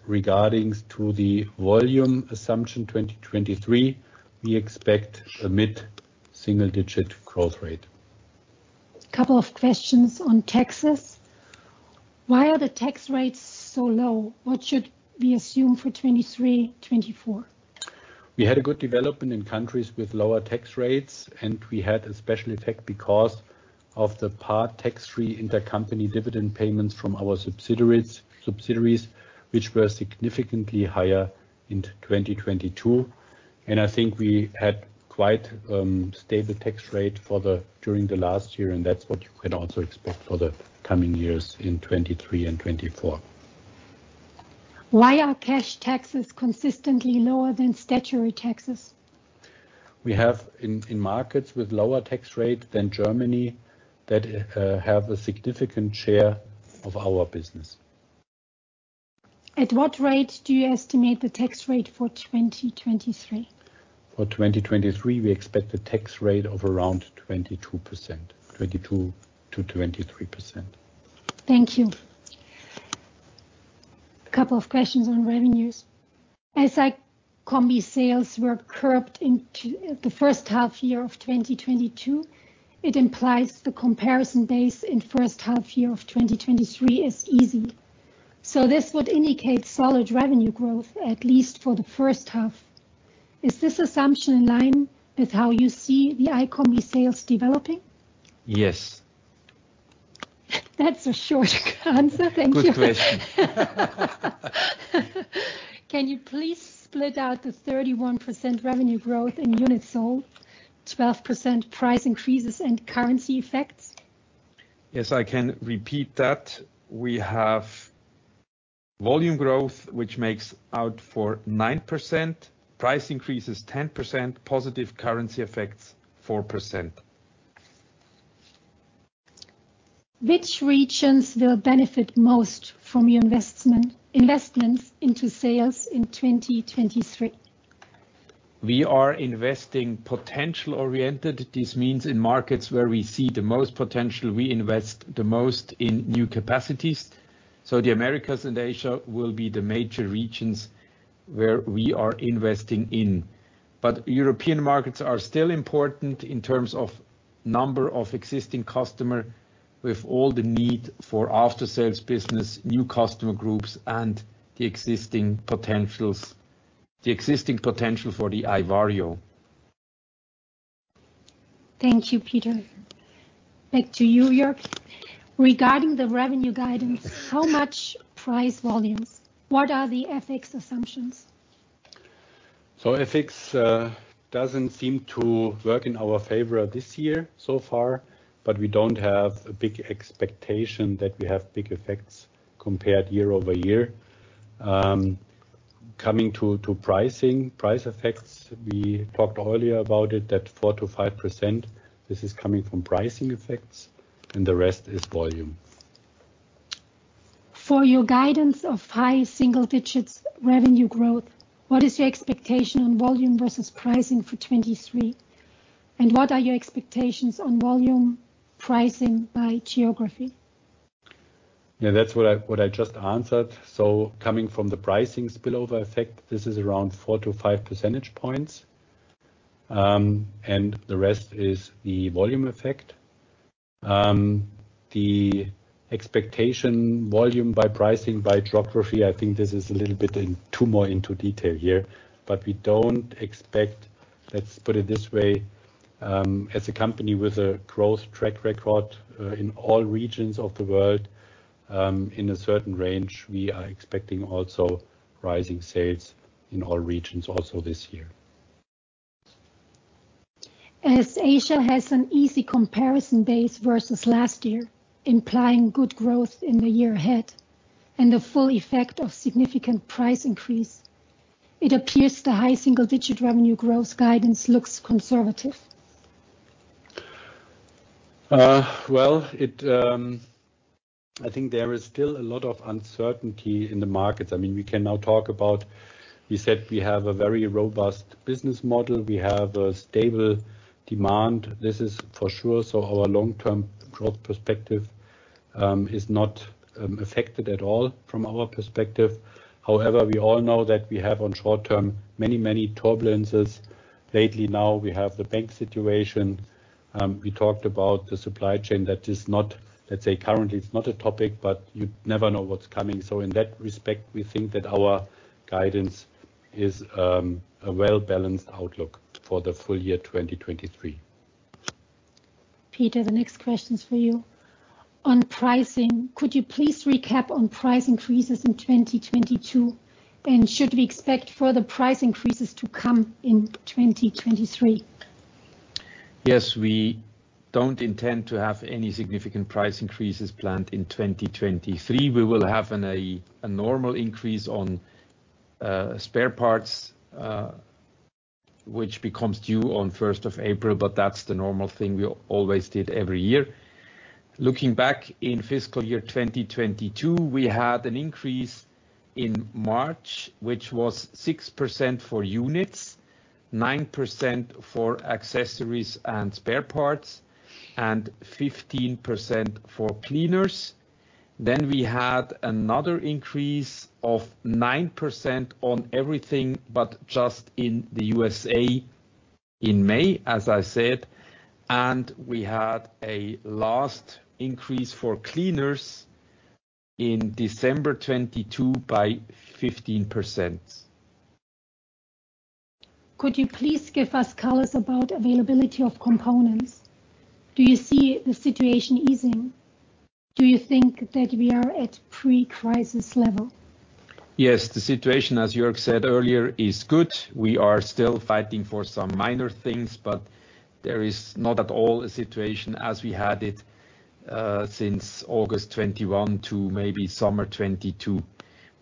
Regarding to the volume assumption 2023, we expect a mid-single digit growth rate. Couple of questions on taxes. Why are the tax rates so low? What should we assume for 2023, 2024? We had a good development in countries with lower tax rates, and we had a special effect because of the part tax-free intercompany dividend payments from our subsidiaries, which were significantly higher in 2022. I think we had quite stable tax rate during the last year, and that's what you can also expect for the coming years in 2023 and 2024. Why are cash taxes consistently lower than statutory taxes? We have in markets with lower tax rate than Germany that have a significant share of our business. At what rate do you estimate the tax rate for 2023? For 2023, we expect a tax rate of around 22%. 22%-23%. Thank you. Couple of questions on revenues. As iCombi sales were curbed in the first half year of 2022, it implies the comparison base in first half year of 2023 is easy. This would indicate solid revenue growth, at least for the first half. Is this assumption in line with how you see the iCombi sales developing? Yes. That's a short answer. Thank you. Good question. Can you please split out the 31% revenue growth in units sold, 12% price increases, and currency effects? Yes, I can repeat that. We have volume growth which makes out for 9%, price increases 10%, positive currency effects 4%. Which regions will benefit most from your investment, investments into sales in 2023? We are investing potential oriented. This means in markets where we see the most potential, we invest the most in new capacities. The Americas and Asia will be the major regions where we are investing in. European markets are still important in terms of number of existing customer with all the need for after-sales business, new customer groups, and the existing potential for the iVario. Thank you, Peter. Back to you, Jörg. Regarding the revenue guidance, how much price volumes? What are the FX assumptions? FX doesn't seem to work in our favor this year so far, but we don't have a big expectation that we have big effects compared year-over-year. Coming to pricing, price effects, we talked earlier about it, that 4%-5%. This is coming from pricing effects and the rest is volume. For your guidance of high single digits revenue growth, what is your expectation on volume versus pricing for 2023? What are your expectations on volume pricing by geography? Yeah, that's what I just answered. Coming from the pricing spillover effect, this is around 4-5 percentage points, and the rest is the volume effect. The expectation volume by pricing by geography, I think this is a little bit in too more into detail here, but we don't expect, let's put it this way, as a company with a growth track record, in all regions of the world, in a certain range, we are expecting also rising sales in all regions also this year. As Asia has an easy comparison base versus last year, implying good growth in the year ahead and the full effect of significant price increase, it appears the high single-digit revenue growth guidance looks conservative. Well, I think there is still a lot of uncertainty in the markets. I mean, we can now talk about, we said we have a very robust business model. We have a stable demand. This is for sure. Our long-term growth perspective is not affected at all from our perspective. However, we all know that we have on short-term many, many turbulences. Lately now we have the bank situation. We talked about the supply chain that is not, let's say, currently it's not a topic, but you never know what's coming. In that respect, we think that our guidance is a well-balanced outlook for the full year 2023. Peter, the next question's for you. On pricing, could you please recap on price increases in 2022. Should we expect further price increases to come in 2023? Yes. We don't intend to have any significant price increases planned in 2023. We will have a normal increase on spare parts, which becomes due on first of April, but that's the normal thing we always did every year. Looking back in fiscal year 2022, we had an increase in March, which was 6% for units, 9% for accessories and spare parts, and 15% for cleaners. We had another increase of 9% on everything, but just in the USA in May, as I said, and we had a last increase for cleaners in December 2022 by 15%. Could you please give us colors about availability of components? Do you see the situation easing? Do you think that we are at pre-crisis level? Yes. The situation, as Jörg said earlier, is good. We are still fighting for some minor things, but there is not at all a situation as we had it, since August 21 to maybe summer 2022.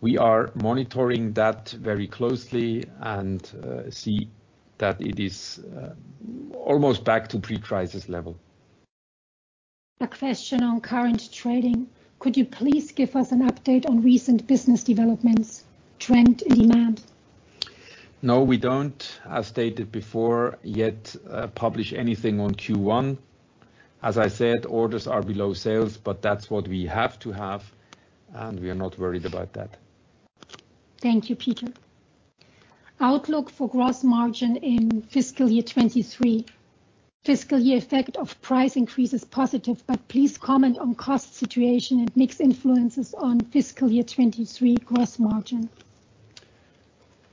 We are monitoring that very closely and see that it is almost back to pre-crisis level. A question on current trading: Could you please give us an update on recent business developments, trend and demand? No, we don't, as stated before, yet, publish anything on Q1. As I said, orders are below sales, but that's what we have to have, and we are not worried about that. Thank you, Peter. Outlook for gross margin in fiscal year 2023. Fiscal year effect of price increase is positive, but please comment on cost situation and mixed influences on fiscal year 2023 gross margin.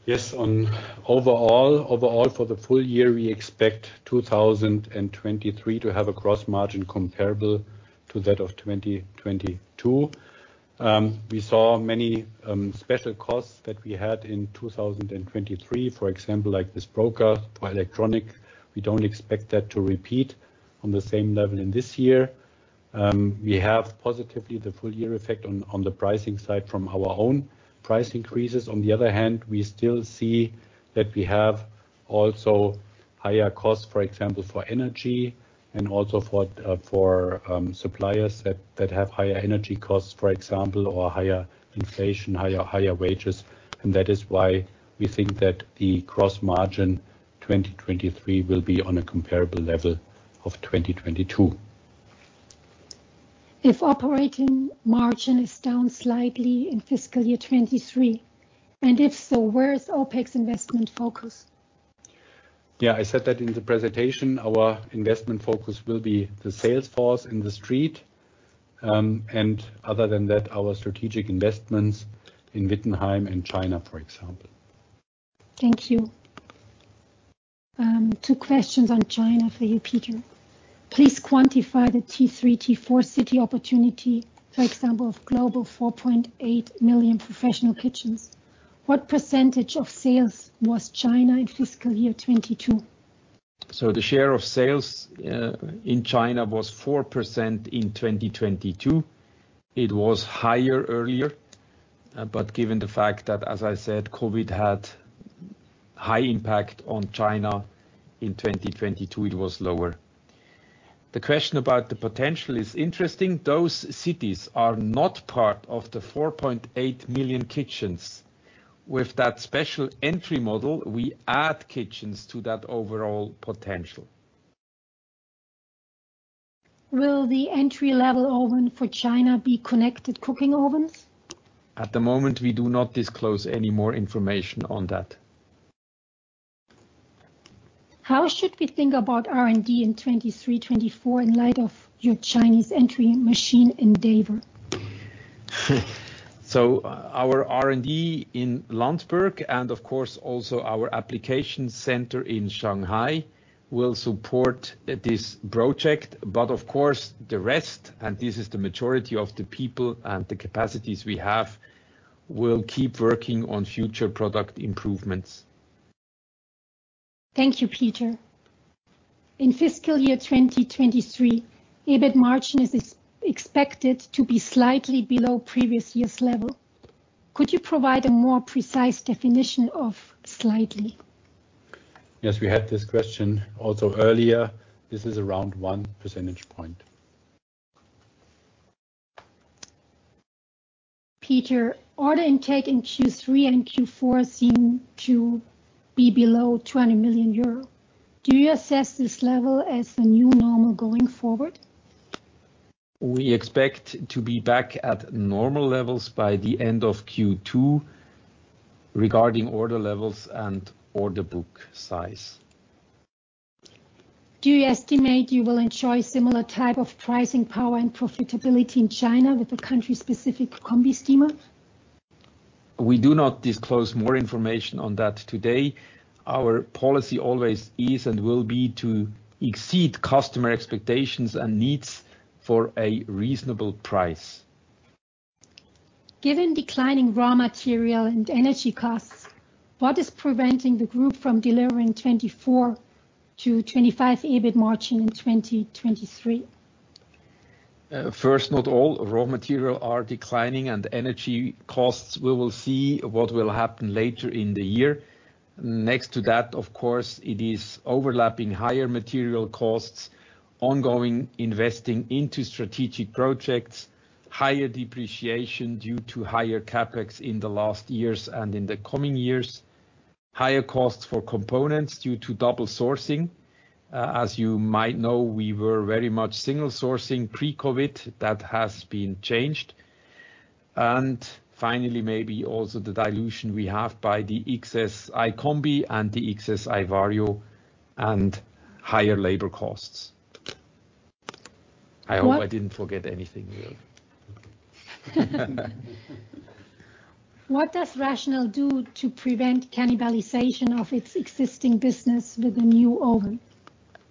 Yes. On overall for the full year, we expect 2023 to have a gross margin comparable to that of 2022. We saw many special costs that we had in 2023, for example, like this broker by electronic. We don't expect that to repeat on the same level in this year. We have positively the full year effect on the pricing side from our own price increases. On the other hand, we still see that we have also higher costs, for example, for energy and also for suppliers that have higher energy costs, for example, or higher inflation, higher wages. That is why we think that the gross margin 2023 will be on a comparable level of 2022. If operating margin is down slightly in fiscal year 2023, and if so, where is OpEx investment focus? Yeah, I said that in the presentation. Our investment focus will be the sales force in the street. Other than that, our strategic investments in Wittenheim and China, for example. Thank you. two questions on China for you, Peter. Please quantify the T3, T4 city opportunity, for example, of global 4.8 million professional kitchens. What percentage of sales was China in fiscal year 2022? The share of sales in China was 4% in 2022. It was higher earlier, but given the fact that, as I said, COVID had high impact on China in 2022, it was lower. The question about the potential is interesting. Those cities are not part of the 4.8 million kitchens. With that special entry model, we add kitchens to that overall potential. Will the entry-level oven for China be ConnectedCooking ovens? At the moment, we do not disclose any more information on that. How should we think about R&D in 2023, 2024 in light of your Chinese entry machine endeavor? Our R&D in Landsberg, and of course also our application center in Shanghai, will support this project. Of course, the rest, and this is the majority of the people and the capacities we have, will keep working on future product improvements. Thank you, Peter. In fiscal year 2023, EBIT margin is expected to be slightly below previous year's level. Could you provide a more precise definition of slightly? Yes, we had this question also earlier. This is around one percentage point. Peter, order intake in Q3 and Q4 seem to be below 20 million euro. Do you assess this level as the new normal going forward? We expect to be back at normal levels by the end of Q2 regarding order levels and order book size. Do you estimate you will enjoy similar type of pricing power and profitability in China with a country-specific combi steamer? We do not disclose more information on that today. Our policy always is and will be to exceed customer expectations and needs for a reasonable price. Given declining raw material and energy costs, what is preventing the group from delivering 24%-25% EBIT margin in 2023? First, not all raw material are declining, and energy costs, we will see what will happen later in the year. Next to that, of course, it is overlapping higher material costs, ongoing investing into strategic projects, higher depreciation due to higher CapEx in the last years and in the coming years. Higher costs for components due to double sourcing. As you might know, we were very much single sourcing pre-COVID. That has been changed. Finally, maybe also the dilution we have by the XS iCombi and the XS iVario and higher labor costs. I hope I didn't forget anything there. What does RATIONAL do to prevent cannibalization of its existing business with the new oven?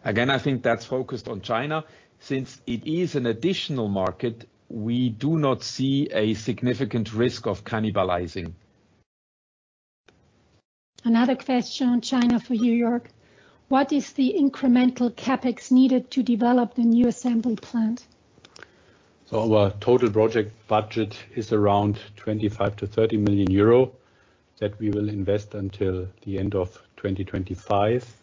I think that's focused on China. Since it is an additional market, we do not see a significant risk of cannibalizing. Another question on China for you, Jörg. What is the incremental CapEx needed to develop the new assembly plant? Our total project budget is around 25 million-30 million euro that we will invest until the end of 2025.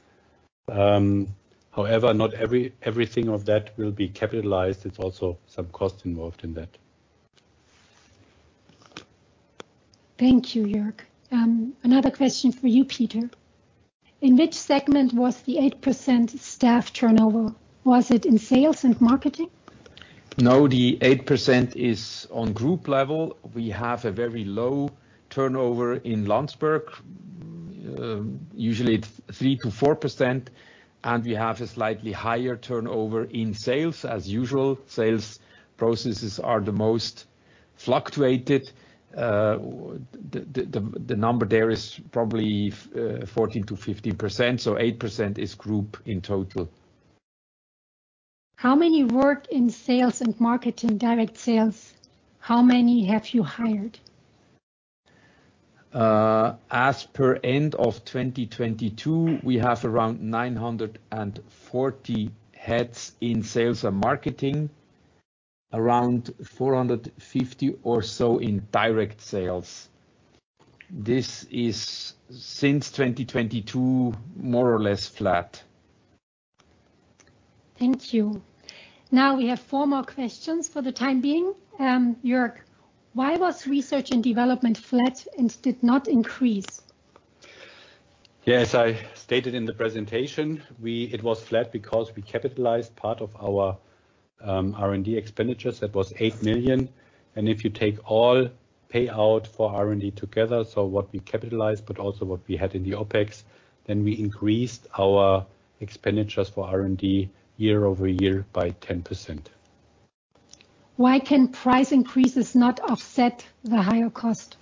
However, not everything of that will be capitalized. It's also some cost involved in that. Thank you, Jörg. Another question for you, Peter. In which segment was the 8% staff turnover? Was it in sales and marketing? No, the 8% is on group level. We have a very low turnover in Landsberg, usually 3%-4%, and we have a slightly higher turnover in sales. As usual, sales processes are the most fluctuated. The number there is probably 14%-15%, so 8% is group in total. How many work in sales and marketing, direct sales? How many have you hired? As per end of 2022, we have around 940 heads in sales and marketing, around 450 or so in direct sales. This is since 2022, more or less flat. Thank you. Now we have four more questions for the time being. Jörg, why was research and development flat and did not increase? Yes. I stated in the presentation It was flat because we capitalized part of our R&D expenditures. That was 8 million. If you take all payout for R&D together, so what we capitalized, but also what we had in the OpEx, then we increased our expenditures for R&D year-over-year by 10%. Why can price increases not offset the higher cost?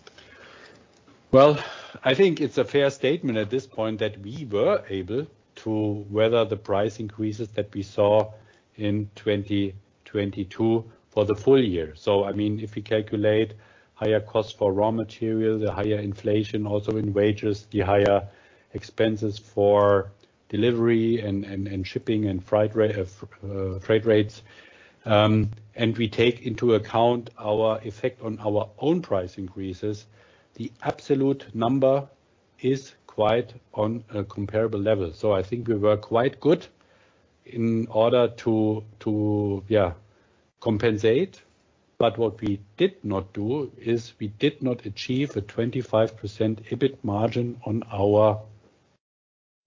Well, I think it's a fair statement at this point that we were able to weather the price increases that we saw in 2022 for the full year. I mean, if we calculate higher costs for raw materials, the higher inflation also in wages, the higher expenses for delivery and shipping and freight rates, and we take into account our effect on our own price increases, the absolute number is quite on a comparable level. I think we were quite good in order to, yeah, compensate. What we did not do is we did not achieve a 25% EBIT margin on our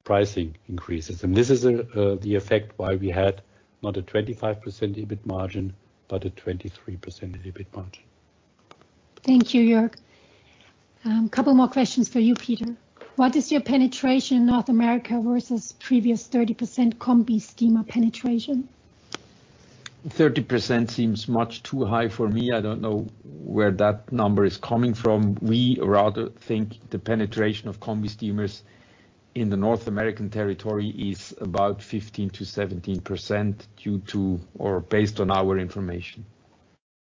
pricing increases. This is the effect why we had not a 25% EBIT margin, but a 23% EBIT margin. Thank you, Jörg. couple more questions for you, Peter. What is your penetration in North America versus previous 30% combi-steamer penetration? 30% seems much too high for me. I don't know where that number is coming from. We rather think the penetration of combi-steamers in the North American territory is about 15%-17% due to or based on our information,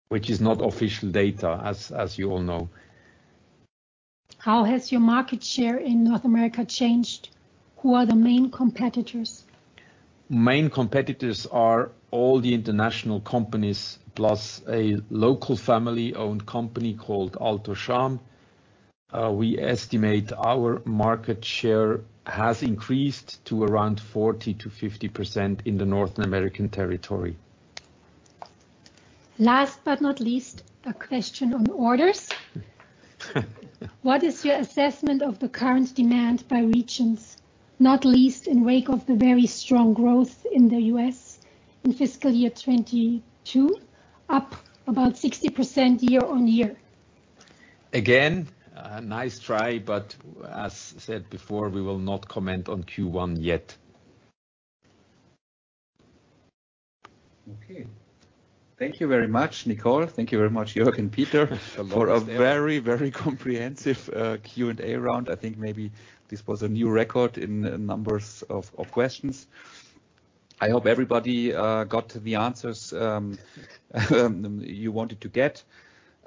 which is not official data, as you all know. How has your market share in North America changed? Who are the main competitors? Main competitors are all the international companies plus a local family-owned company called Alto-Shaam. We estimate our market share has increased to around 40%-50% in the North American territory. Last but not least, a question on orders. What is your assessment of the current demand by regions, not least in wake of the very strong growth in the U.S. in fiscal year 2022, up about 60% year-on-year? Nice try, but as said before, we will not comment on Q1 yet. Okay. Thank you very much, Nicole. Thank you very much, Jörg and Peter Very, very comprehensive Q&A round. I think maybe this was a new record in numbers of questions. I hope everybody got the answers you wanted to get.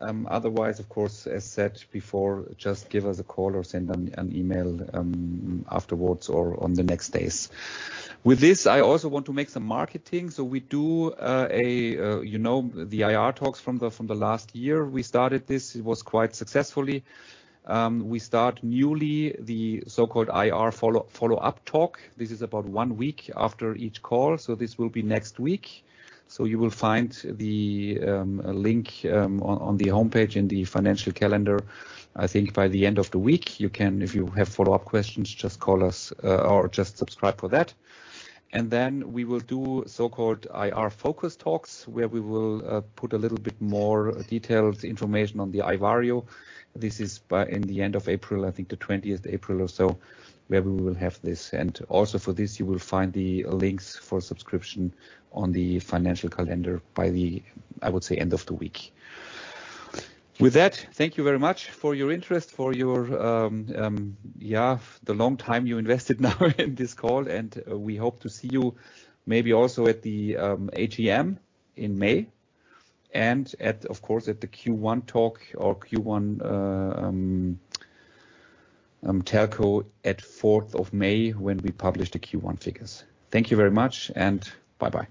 Otherwise, of course, as said before, just give us a call or send an email afterwards or on the next days. With this, I also want to make some marketing. We do, you know, the IR talks from the last year we started this. It was quite successfully. We start newly the so-called IR follow-up talk. This is about one week after each call, so this will be next week. You will find the link on the homepage in the financial calendar, I think by the end of the week. If you have follow-up questions, just call us or just subscribe for that. Then we will do so-called IR focus talks, where we will put a little bit more detailed information on the iVario. This is by in the end of April, I think the 20th April or so, where we will have this. Also for this, you will find the links for subscription on the financial calendar by the, I would say, end of the week. With that, thank you very much for your interest, for your, yeah, the long time you invested now in this call. We hope to see you maybe also at the AGM in May and at, of course, at the Q1 talk or Q1 telco at 4th of May when we publish the Q1 figures. Thank you very much and bye-bye.